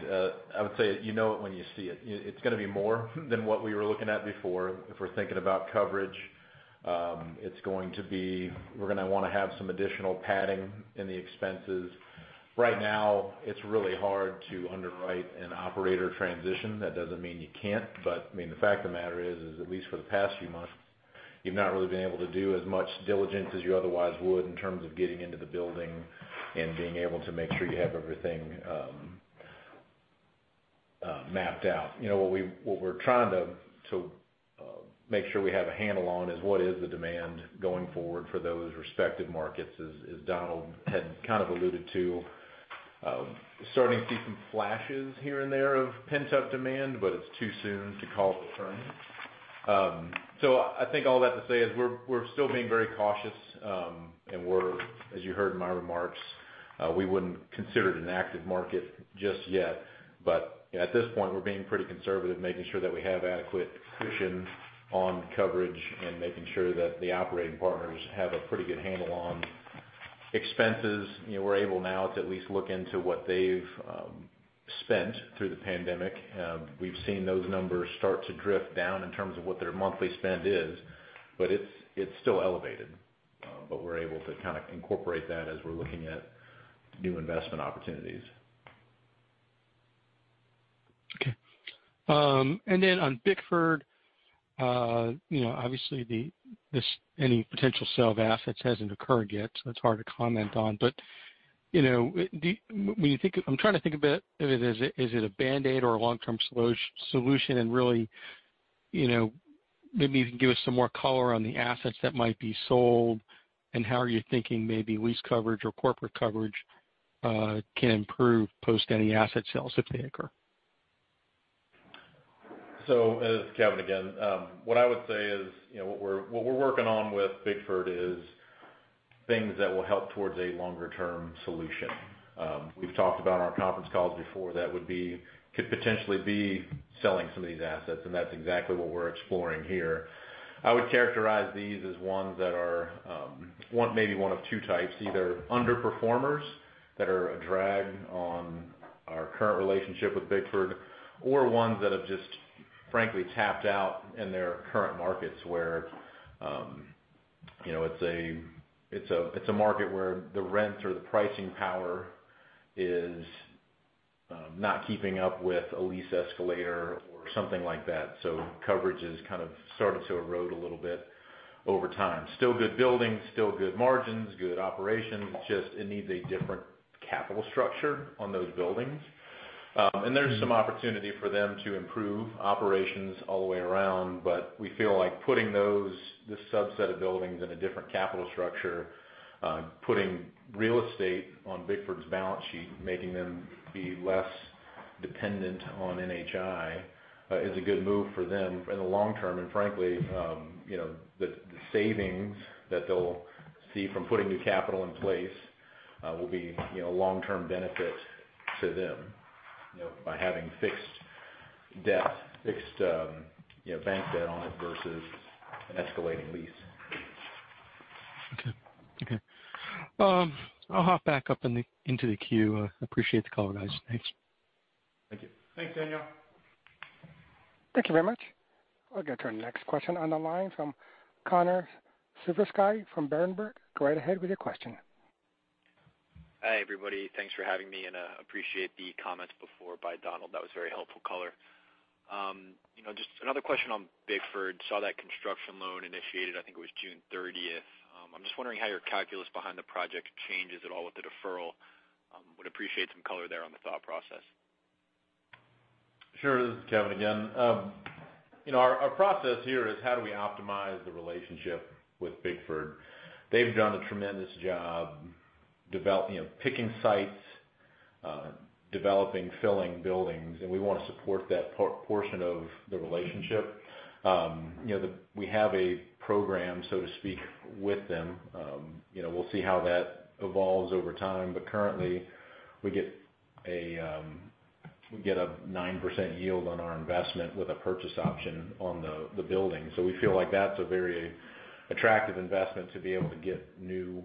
I would say it, you know it when you see it. It's going to be more than what we were looking at before. If we're thinking about coverage, we're going to want to have some additional padding in the expenses. Right now, it's really hard to underwrite an operator transition. That doesn't mean you can't, but the fact of the matter is, at least for the past few months, you've not really been able to do as much diligence as you otherwise would in terms of getting into the building and being able to make sure you have everything mapped out. What we're trying to make sure we have a handle on is what is the demand going forward for those respective markets, as Donald had kind of alluded to. Starting to see some flashes here and there of pent-up demand, it's too soon to call it a trend. I think all that to say is we're still being very cautious. As you heard in my remarks, we wouldn't consider it an active market just yet. At this point, we're being pretty conservative, making sure that we have adequate cushion on coverage and making sure that the operating partners have a pretty good handle on expenses. We're able now to at least look into what they've spent through the pandemic. We've seen those numbers start to drift down in terms of what their monthly spend is, but it's still elevated. We're able to kind of incorporate that as we're looking at new investment opportunities. Okay. On Bickford, obviously, any potential sale of assets hasn't occurred yet, so it's hard to comment on. I'm trying to think a bit, is it a band-aid or a long-term solution? Really, maybe you can give us some more color on the assets that might be sold and how are you thinking maybe lease coverage or corporate coverage can improve post any asset sales if they occur. This is Kevin again. What I would say is, what we're working on with Bickford is things that will help towards a longer-term solution. We've talked about on our conference calls before, that could potentially be selling some of these assets, and that's exactly what we're exploring here. I would characterize these as maybe one of two types, either underperformers that are a drag on our current relationship with Bickford, or ones that have just frankly tapped out in their current markets where it's a market where the rents or the pricing power is not keeping up with a lease escalator or something like that. Coverage has kind of started to erode a little bit over time. Still good buildings, still good margins, good operations. It just needs a different capital structure on those buildings. There's some opportunity for them to improve operations all the way around. We feel like putting this subset of buildings in a different capital structure, putting real estate on Bickford's balance sheet, making them be less dependent on NHI is a good move for them in the long term. Frankly, the savings that they'll see from putting new capital in place will be a long-term benefit to them by having fixed debt, fixed bank debt on it versus an escalating lease. Okay. I'll hop back up into the queue. I appreciate the call, guys. Thanks. Thank you. Thanks, Daniel. Thank you very much. I'll get to our next question on the line from Connor Siversky from Berenberg. Go right ahead with your question. Hi, everybody. Thanks for having me, and I appreciate the comments before by Donald. That was very helpful color. Just another question on Bickford. Saw that construction loan initiated, I think it was June 30th. I'm just wondering how your calculus behind the project changes at all with the deferral. Would appreciate some color there on the thought process. Sure. This is Kevin again. Our process here is how do we optimize the relationship with Bickford? They've done a tremendous job picking sites, developing, filling buildings, and we want to support that portion of the relationship. We have a program, so to speak, with them. We'll see how that evolves over time. Currently, we get a 9% yield on our investment with a purchase option on the building. We feel like that's a very attractive investment to be able to get new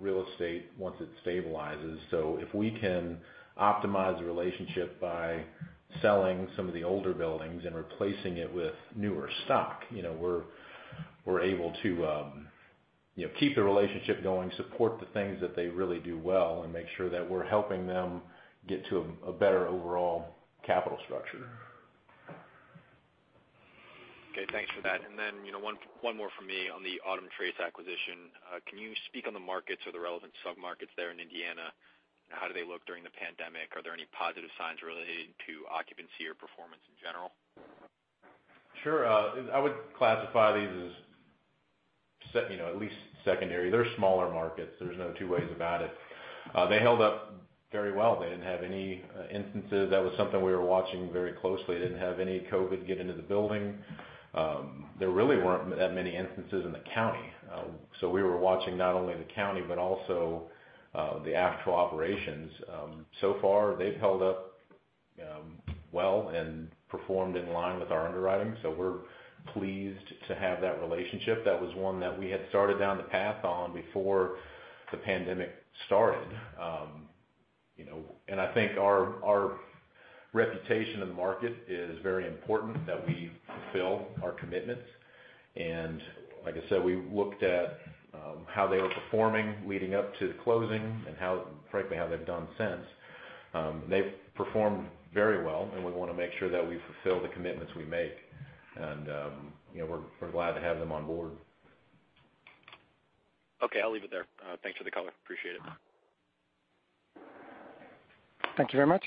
real estate once it stabilizes. If we can optimize the relationship by selling some of the older buildings and replacing it with newer stock, we're able to keep the relationship going, support the things that they really do well, and make sure that we're helping them get to a better overall capital structure. Okay, thanks for that. One more from me on the Autumn Trace acquisition. Can you speak on the markets or the relevant submarkets there in Indiana? How do they look during the pandemic? Are there any positive signs relating to occupancy or performance in general? Sure. I would classify these as at least secondary. They're smaller markets, there's no two ways about it. They held up very well. They didn't have any instances. That was something we were watching very closely. They didn't have any COVID get into the building. There really weren't that many instances in the county. So far, they've held up well and performed in line with our underwriting. We're pleased to have that relationship. That was one that we had started down the path on before the pandemic started. I think our reputation in the market is very important that we fulfill our commitments. Like I said, we looked at how they were performing leading up to closing and frankly, how they've done since. They've performed very well, and we want to make sure that we fulfill the commitments we make. We're glad to have them on board. Okay. I'll leave it there. Thanks for the call. Appreciate it. Thank you very much.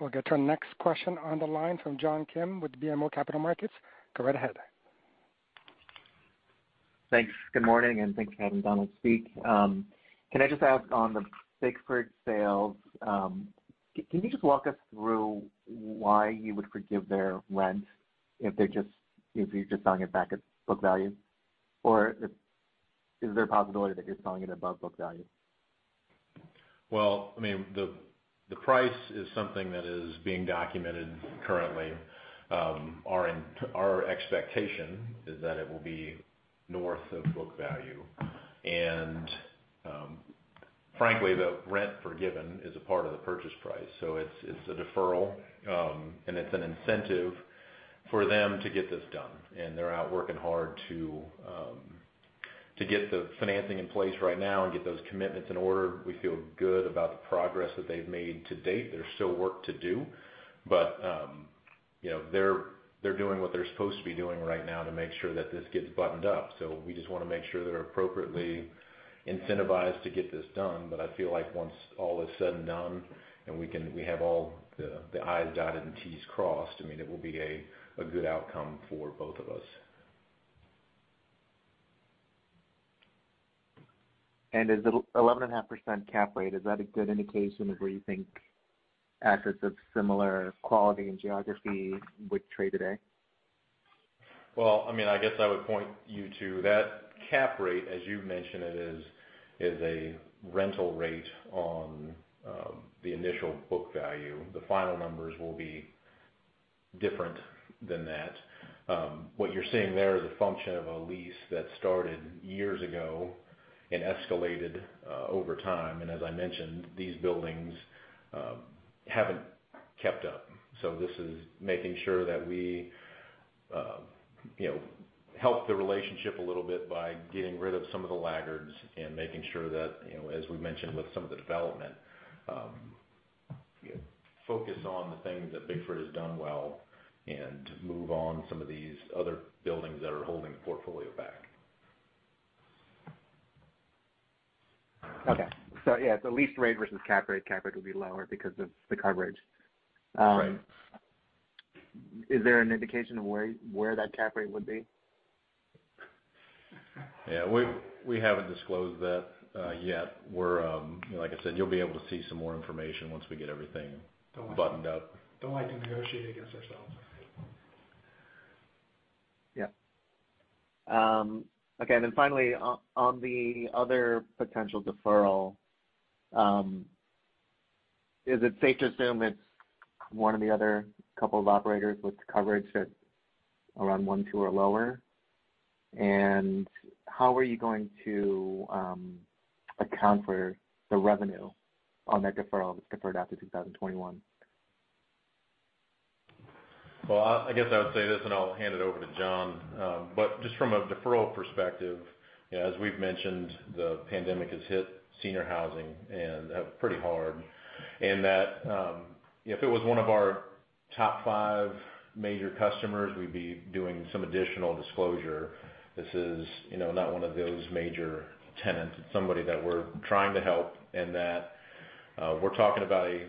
We'll get to our next question on the line from John Kim with the BMO Capital Markets. Go right ahead. Thanks. Good morning, and thanks for having Donald speak. Can I just ask on the Bickford sales, can you just walk us through why you would forgive their rent if you're just selling it back at book value? Is there a possibility that you're selling it above book value? Well, the price is something that is being documented currently. Our expectation is that it will be north of book value. Frankly, the rent forgiven is a part of the purchase price. It's a deferral, and it's an incentive for them to get this done. They're out working hard to get the financing in place right now and get those commitments in order. We feel good about the progress that they've made to date. There's still work to do. They're doing what they're supposed to be doing right now to make sure that this gets buttoned up. We just want to make sure they're appropriately incentivized to get this done. I feel like once all is said and done and we have all the i's dotted and t's crossed, it will be a good outcome for both of us. Is the 11.5% cap rate, is that a good indication of where you think assets of similar quality and geography would trade today? Well, I guess I would point you to that cap rate, as you mentioned, it is a rental rate on the initial book value. The final numbers will be different than that. What you're seeing there is a function of a lease that started years ago and escalated over time. As I mentioned, these buildings haven't kept up. This is making sure that we help the relationship a little bit by getting rid of some of the laggards and making sure that, as we mentioned with some of the development, focus on the things that Bickford has done well and move on some of these other buildings that are holding the portfolio back. Okay. Yeah, the lease rate versus cap rate, cap rate will be lower because of the coverage. Right. Is there an indication of where that cap rate would be? Yeah. We haven't disclosed that yet. Like I said, you'll be able to see some more information once we get everything buttoned up. Don't like to negotiate against ourselves. Yeah. Okay. Finally, on the other potential deferral, is it safe to assume it's one of the other couple of operators with coverage that's around one, two, or lower? How are you going to account for the revenue on that deferral that's deferred out to 2021? Well, I guess I would say this, I'll hand it over to John. Just from a deferral perspective, as we've mentioned, the pandemic has hit senior housing pretty hard in that, if it was one of our top five major customers, we'd be doing some additional disclosure. This is not one of those major tenants. It's somebody that we're trying to help in that we're talking about a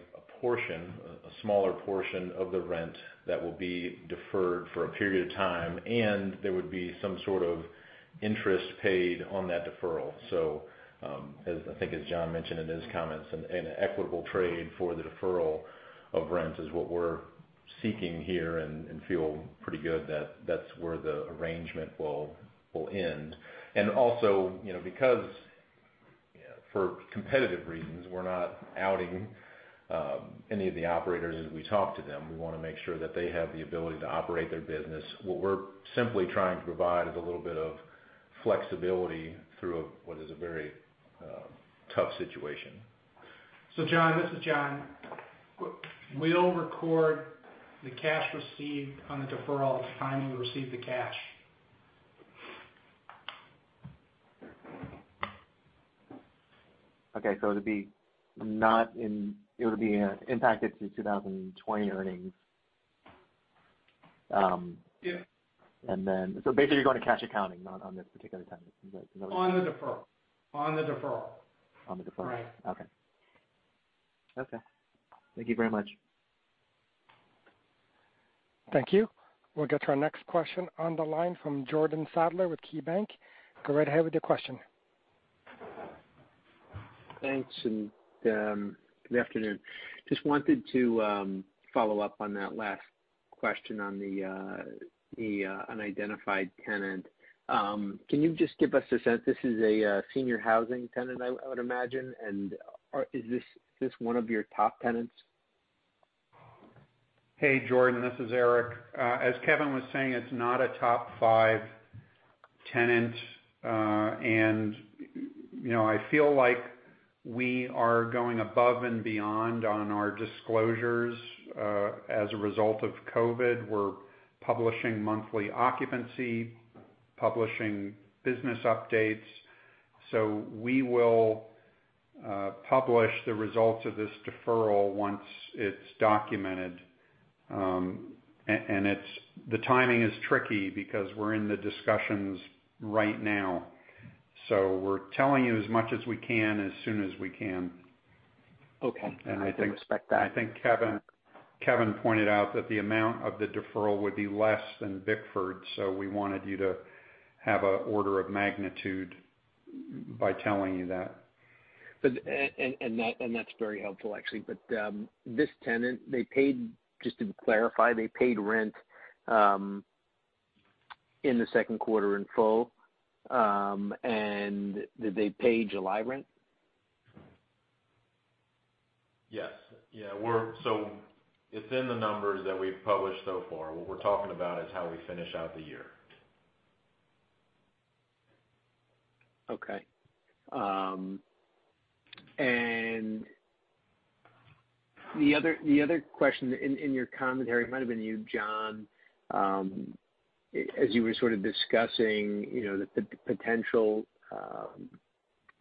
portion, a smaller portion of the rent that will be deferred for a period of time, and there would be some sort of interest paid on that deferral. I think as John mentioned in his comments, an equitable trade for the deferral of rents is what we're seeking here and feel pretty good that that's where the arrangement will end. Also, because for competitive reasons, we're not outing any of the operators as we talk to them. We want to make sure that they have the ability to operate their business. What we're simply trying to provide is a little bit of flexibility through what is a very tough situation. John, this is John. We'll record the cash received on the deferral at the time we receive the cash. Okay. It would be impacted through 2020 earnings. Yeah. Basically, you're going to cash accounting on this particular tenant. Is that? On the deferral. On the deferral. On the deferral. Okay. Thank you very much. Thank you. We'll get to our next question on the line from Jordan Sadler with KeyBanc. Go right ahead with your question. Thanks, good afternoon. Just wanted to follow up on that last question on the unidentified tenant. Can you just give us a sense, this is a senior housing tenant, I would imagine. Is this one of your top tenants? Hey, Jordan. This is Eric. As Kevin was saying, it's not a top five tenant. I feel like we are going above and beyond on our disclosures. As a result of COVID, we're publishing monthly occupancy, publishing business updates. We will publish the results of this deferral once it's documented. The timing is tricky because we're in the discussions right now, so we're telling you as much as we can, as soon as we can. Okay. I respect that. I think Kevin pointed out that the amount of the deferral would be less than Bickford, so we wanted you to have an order of magnitude by telling you that. That's very helpful, actually. This tenant, just to clarify, they paid rent in the second quarter in full. Did they pay July rent? Yes. It's in the numbers that we've published so far. What we're talking about is how we finish out the year. Okay. The other question in your commentary, it might've been you, John, as you were sort of discussing the potential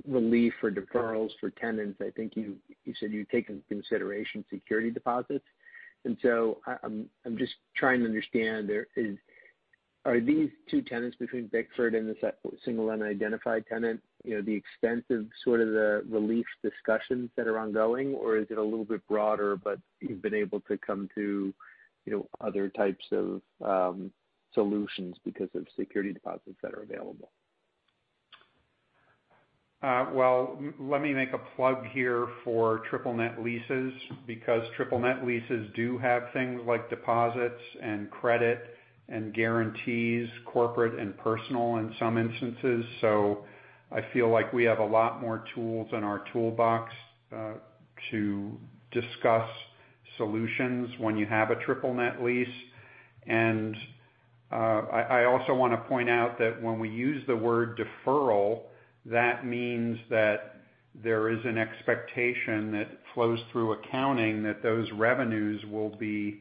relief for deferrals for tenants, I think you said you take into consideration security deposits. I'm just trying to understand, are these two tenants between Bickford and the single unidentified tenant the extent of sort of the relief discussions that are ongoing, or is it a little bit broader, but you've been able to come to other types of solutions because of security deposits that are available? Well, let me make a plug here for triple-net leases, because triple-net leases do have things like deposits and credit and guarantees, corporate and personal, in some instances. I feel like we have a lot more tools in our toolbox to discuss solutions when you have a triple-net lease. I also want to point out that when we use the word deferral, that means that there is an expectation that flows through accounting that those revenues will be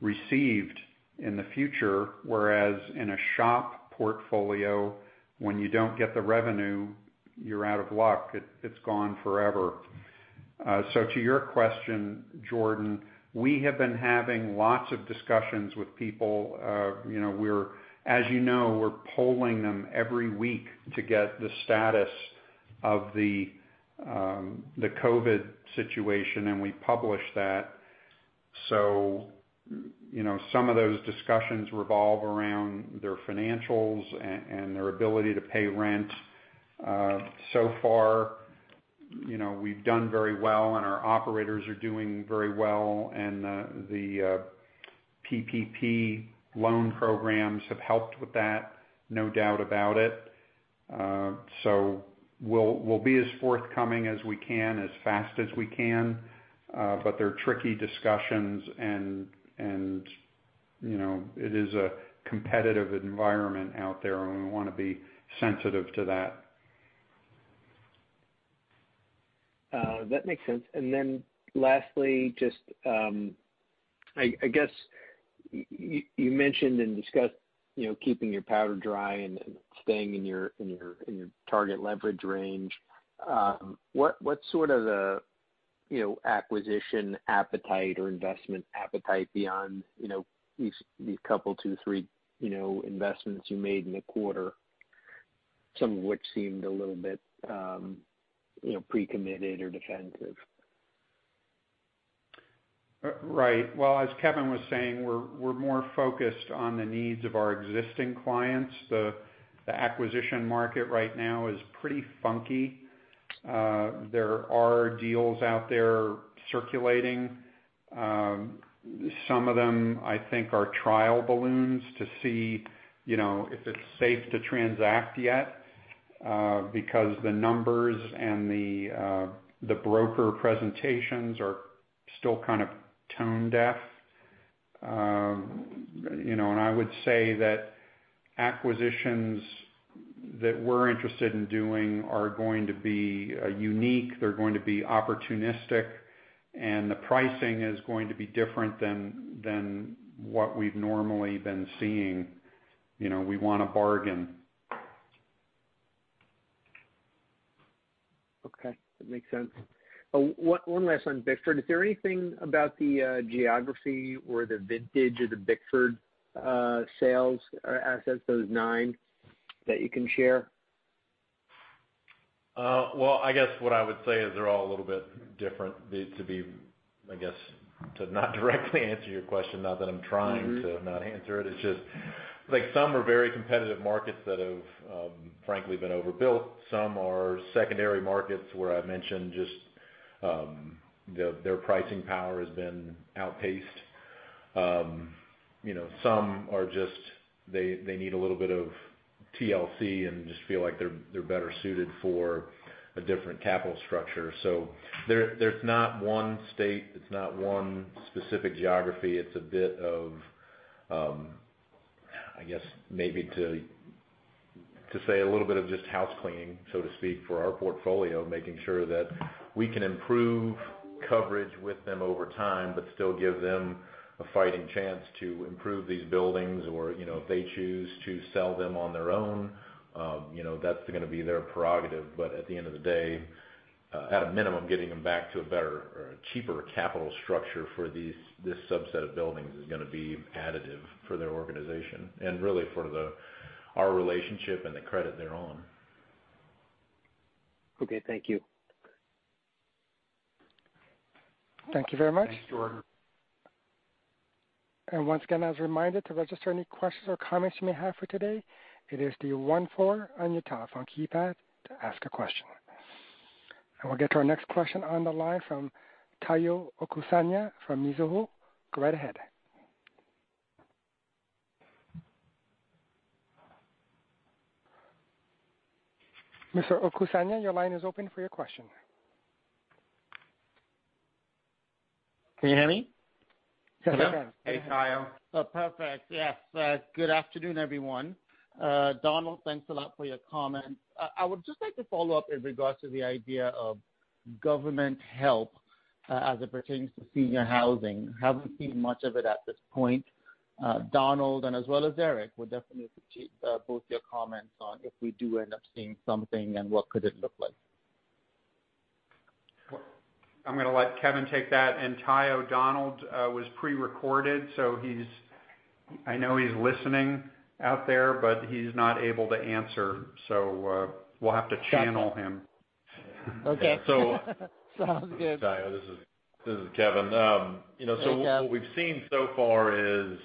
received in the future, whereas in a SHOP portfolio, when you don't get the revenue, you're out of luck. It's gone forever. To your question, Jordan, we have been having lots of discussions with people. As you know, we're polling them every week to get the status of the COVID situation, and we publish that. Some of those discussions revolve around their financials and their ability to pay rent. So far, we've done very well, and our operators are doing very well, and the PPP loan programs have helped with that, no doubt about it. We'll be as forthcoming as we can, as fast as we can. But they're tricky discussions, and it is a competitive environment out there, and we want to be sensitive to that. That makes sense. Lastly, I guess you mentioned and discussed keeping your powder dry and staying in your target leverage range. What's sort of the acquisition appetite or investment appetite beyond these couple two, three investments you made in the quarter, some of which seemed a little bit pre-committed or defensive? Right. Well, as Kevin was saying, we're more focused on the needs of our existing clients. The acquisition market right now is pretty funky. There are deals out there circulating. Some of them, I think, are trial balloons to see if it's safe to transact yet, because the numbers and the broker presentations are still kind of tone deaf. I would say that acquisitions that we're interested in doing are going to be unique, they're going to be opportunistic, and the pricing is going to be different than what we've normally been seeing. We want a bargain. Okay. That makes sense. One last on Bickford. Is there anything about the geography or the vintage of the Bickford sales or assets, those nine, that you can share? Well, I guess what I would say is they're all a little bit different. I guess, to not directly answer your question, not that I'm trying to not answer it's just some are very competitive markets that have frankly been overbuilt. Some are secondary markets where I've mentioned just their pricing power has been outpaced. Some are just, they need a little bit of TLC and just feel like they're better suited for a different capital structure. There's not one state, it's not one specific geography. It's a bit of, I guess maybe to say a little bit of just housecleaning, so to speak, for our portfolio, making sure that we can improve coverage with them over time, but still give them a fighting chance to improve these buildings or if they choose to sell them on their own, that's going to be their prerogative. At the end of the day, at a minimum, getting them back to a better or cheaper capital structure for this subset of buildings is going to be additive for their organization and really for our relationship and the credit they're on. Okay, thank you. Thank you very much. Thanks, Jordan. Once again, as a reminder, to register any questions or comments you may have for today, it is the one four on your telephone keypad to ask a question. We'll get to our next question on the line from Tayo Okusanya from Mizuho. Go right ahead. Mr. Okusanya, your line is open for your question. Can you hear me? Yes, we can. Hey, Tayo. Oh, perfect. Yes. Good afternoon, everyone. Donald, thanks a lot for your comments. I would just like to follow up in regards to the idea of government help as it pertains to senior housing. Haven't seen much of it at this point. Donald, and as well as Eric, would definitely appreciate both your comments on if we do end up seeing something and what could it look like. I'm going to let Kevin take that. Tayo, Donald was pre-recorded, so I know he's listening out there, but he's not able to answer. We'll have to channel him. Okay. Sounds good. Tayo, this is Kevin. Hey, Kevin. What we've seen so far is,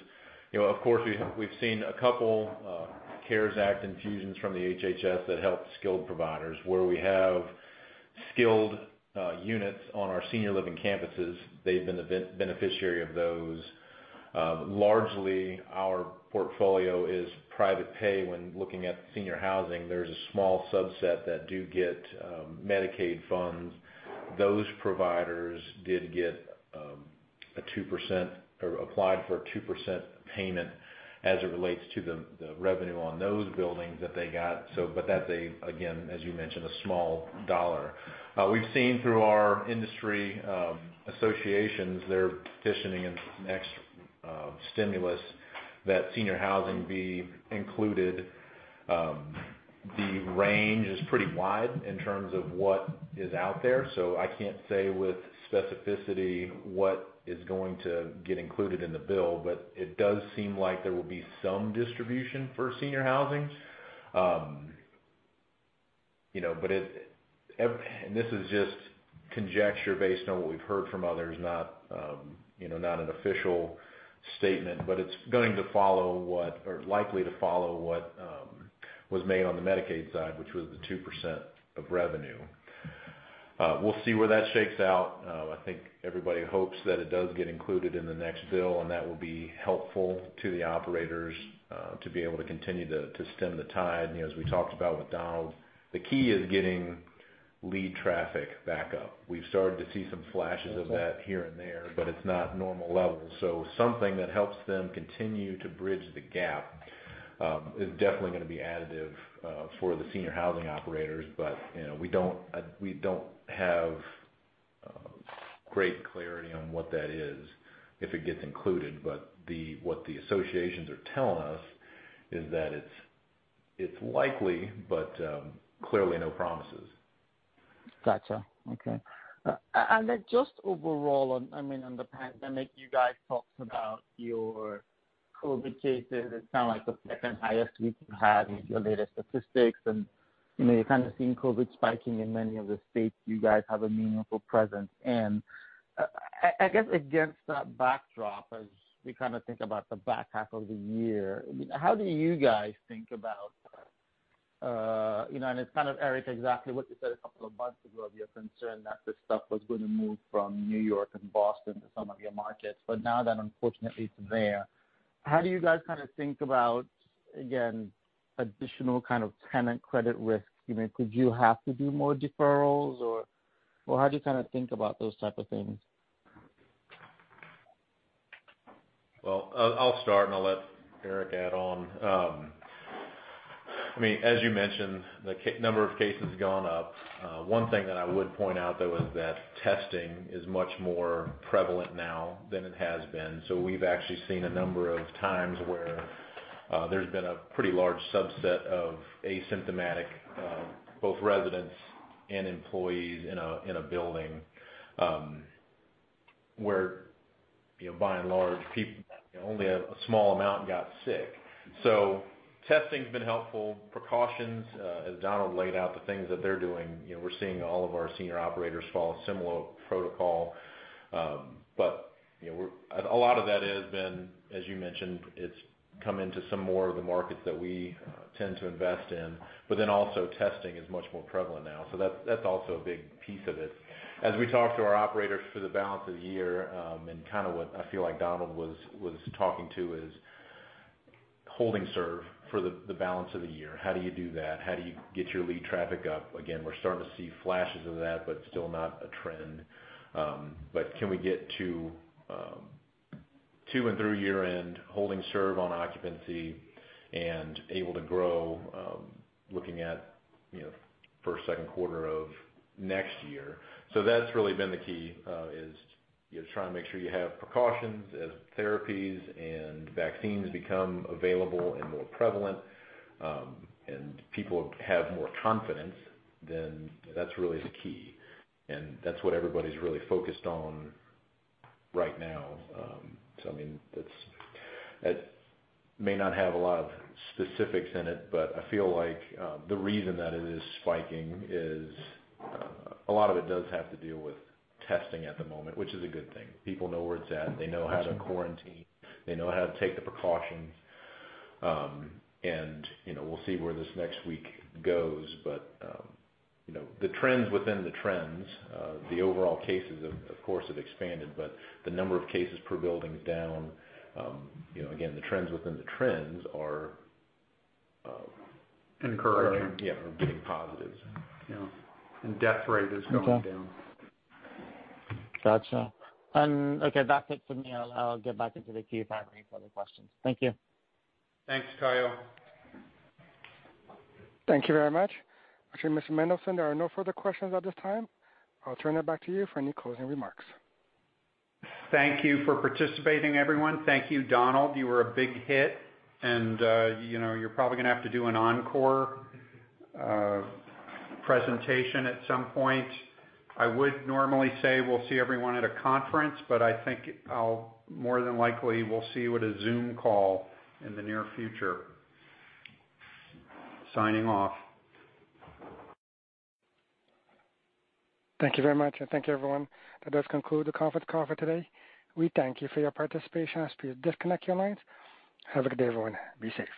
of course, we've seen a couple of CARES Act infusions from the HHS that help skilled providers. Where we have skilled units on our senior living campuses, they've been the beneficiary of those. Largely, our portfolio is private pay when looking at senior housing. There's a small subset that do get Medicaid funds. Those providers did get a 2%, or applied for a 2% payment as it relates to the revenue on those buildings that they got. That's, again, as you mentioned, a small dollar. We've seen through our industry associations, they're petitioning in the next stimulus that senior housing be included. The range is pretty wide in terms of what is out there, so I can't say with specificity what is going to get included in the bill. It does seem like there will be some distribution for senior housing. This is just conjecture based on what we've heard from others, not an official statement, but it's going to follow what, or likely to follow what was made on the Medicaid side, which was the 2% of revenue. We'll see where that shakes out. I think everybody hopes that it does get included in the next bill, and that will be helpful to the operators, to be able to continue to stem the tide. As we talked about with Donald, the key is getting lead traffic back up. We've started to see some flashes of that here and there, but it's not normal levels. Something that helps them continue to bridge the gap, is definitely going to be additive for the senior housing operators. We don't have great clarity on what that is, if it gets included. What the associations are telling us is that it's likely, but clearly no promises. Got you. Okay. Just overall on the pandemic, you guys talked about your COVID cases. It's kind of like the second highest we've had with your latest statistics, and you're kind of seeing COVID spiking in many of the states you guys have a meaningful presence in. I guess against that backdrop, as we kind of think about the back half of the year, how do you guys think about, it's kind of, Eric, exactly what you said a couple of months ago, of your concern that this stuff was going to move from New York and Boston to some of your markets, now that unfortunately it's there, how do you guys kind of think about, again, additional kind of tenant credit risks? Could you have to do more deferrals or how do you kind of think about those type of things? Well, I'll start and I'll let Eric add on. As you mentioned, the number of cases gone up. One thing that I would point out, though, is that testing is much more prevalent now than it has been. We've actually seen a number of times where there's been a pretty large subset of asymptomatic, both residents and employees in a building, where by and large, only a small amount got sick. Testing's been helpful. Precautions, as Donald laid out, the things that they're doing, we're seeing all of our senior operators follow similar protocol. A lot of that has been, as you mentioned, it's come into some more of the markets that we tend to invest in. Also testing is much more prevalent now, so that's also a big piece of it. As we talk to our operators for the balance of the year, and kind of what I feel like Donald was talking to is holding serve for the balance of the year. How do you do that? How do you get your lead traffic up again? We're starting to see flashes of that, but still not a trend. Can we get to and through year-end holding serve on occupancy and able to grow looking at first, second quarter of next year? That's really been the key is trying to make sure you have precautions as therapies and vaccines become available and more prevalent, and people have more confidence, then that's really the key, and that's what everybody's really focused on right now. It may not have a lot of specifics in it, but I feel like the reason that it is spiking is a lot of it does have to deal with testing at the moment, which is a good thing. People know where it's at. They know how to quarantine. They know how to take the precautions. We'll see where this next week goes. The trends within the trends, the overall cases, of course, have expanded, but the number of cases per building is down. Again, the trends within the trends are. Encouraging. Yeah, are being positive. Yeah. Death rate is going down. Okay. Got you. Okay, that's it for me. I'll get back into the queue if I have any further questions. Thank you. Thanks, Tayo. Thank you very much. Mr. Mendelsohn, there are no further questions at this time. I'll turn it back to you for any closing remarks. Thank you for participating, everyone. Thank you, Donald. You were a big hit. You're probably going to have to do an encore presentation at some point. I would normally say we'll see everyone at a conference, I think more than likely we'll see you at a Zoom call in the near future. Signing off. Thank you very much, and thank you, everyone. That does conclude the conference call for today. We thank you for your participation. As you disconnect your lines, have a good day, everyone. Be safe.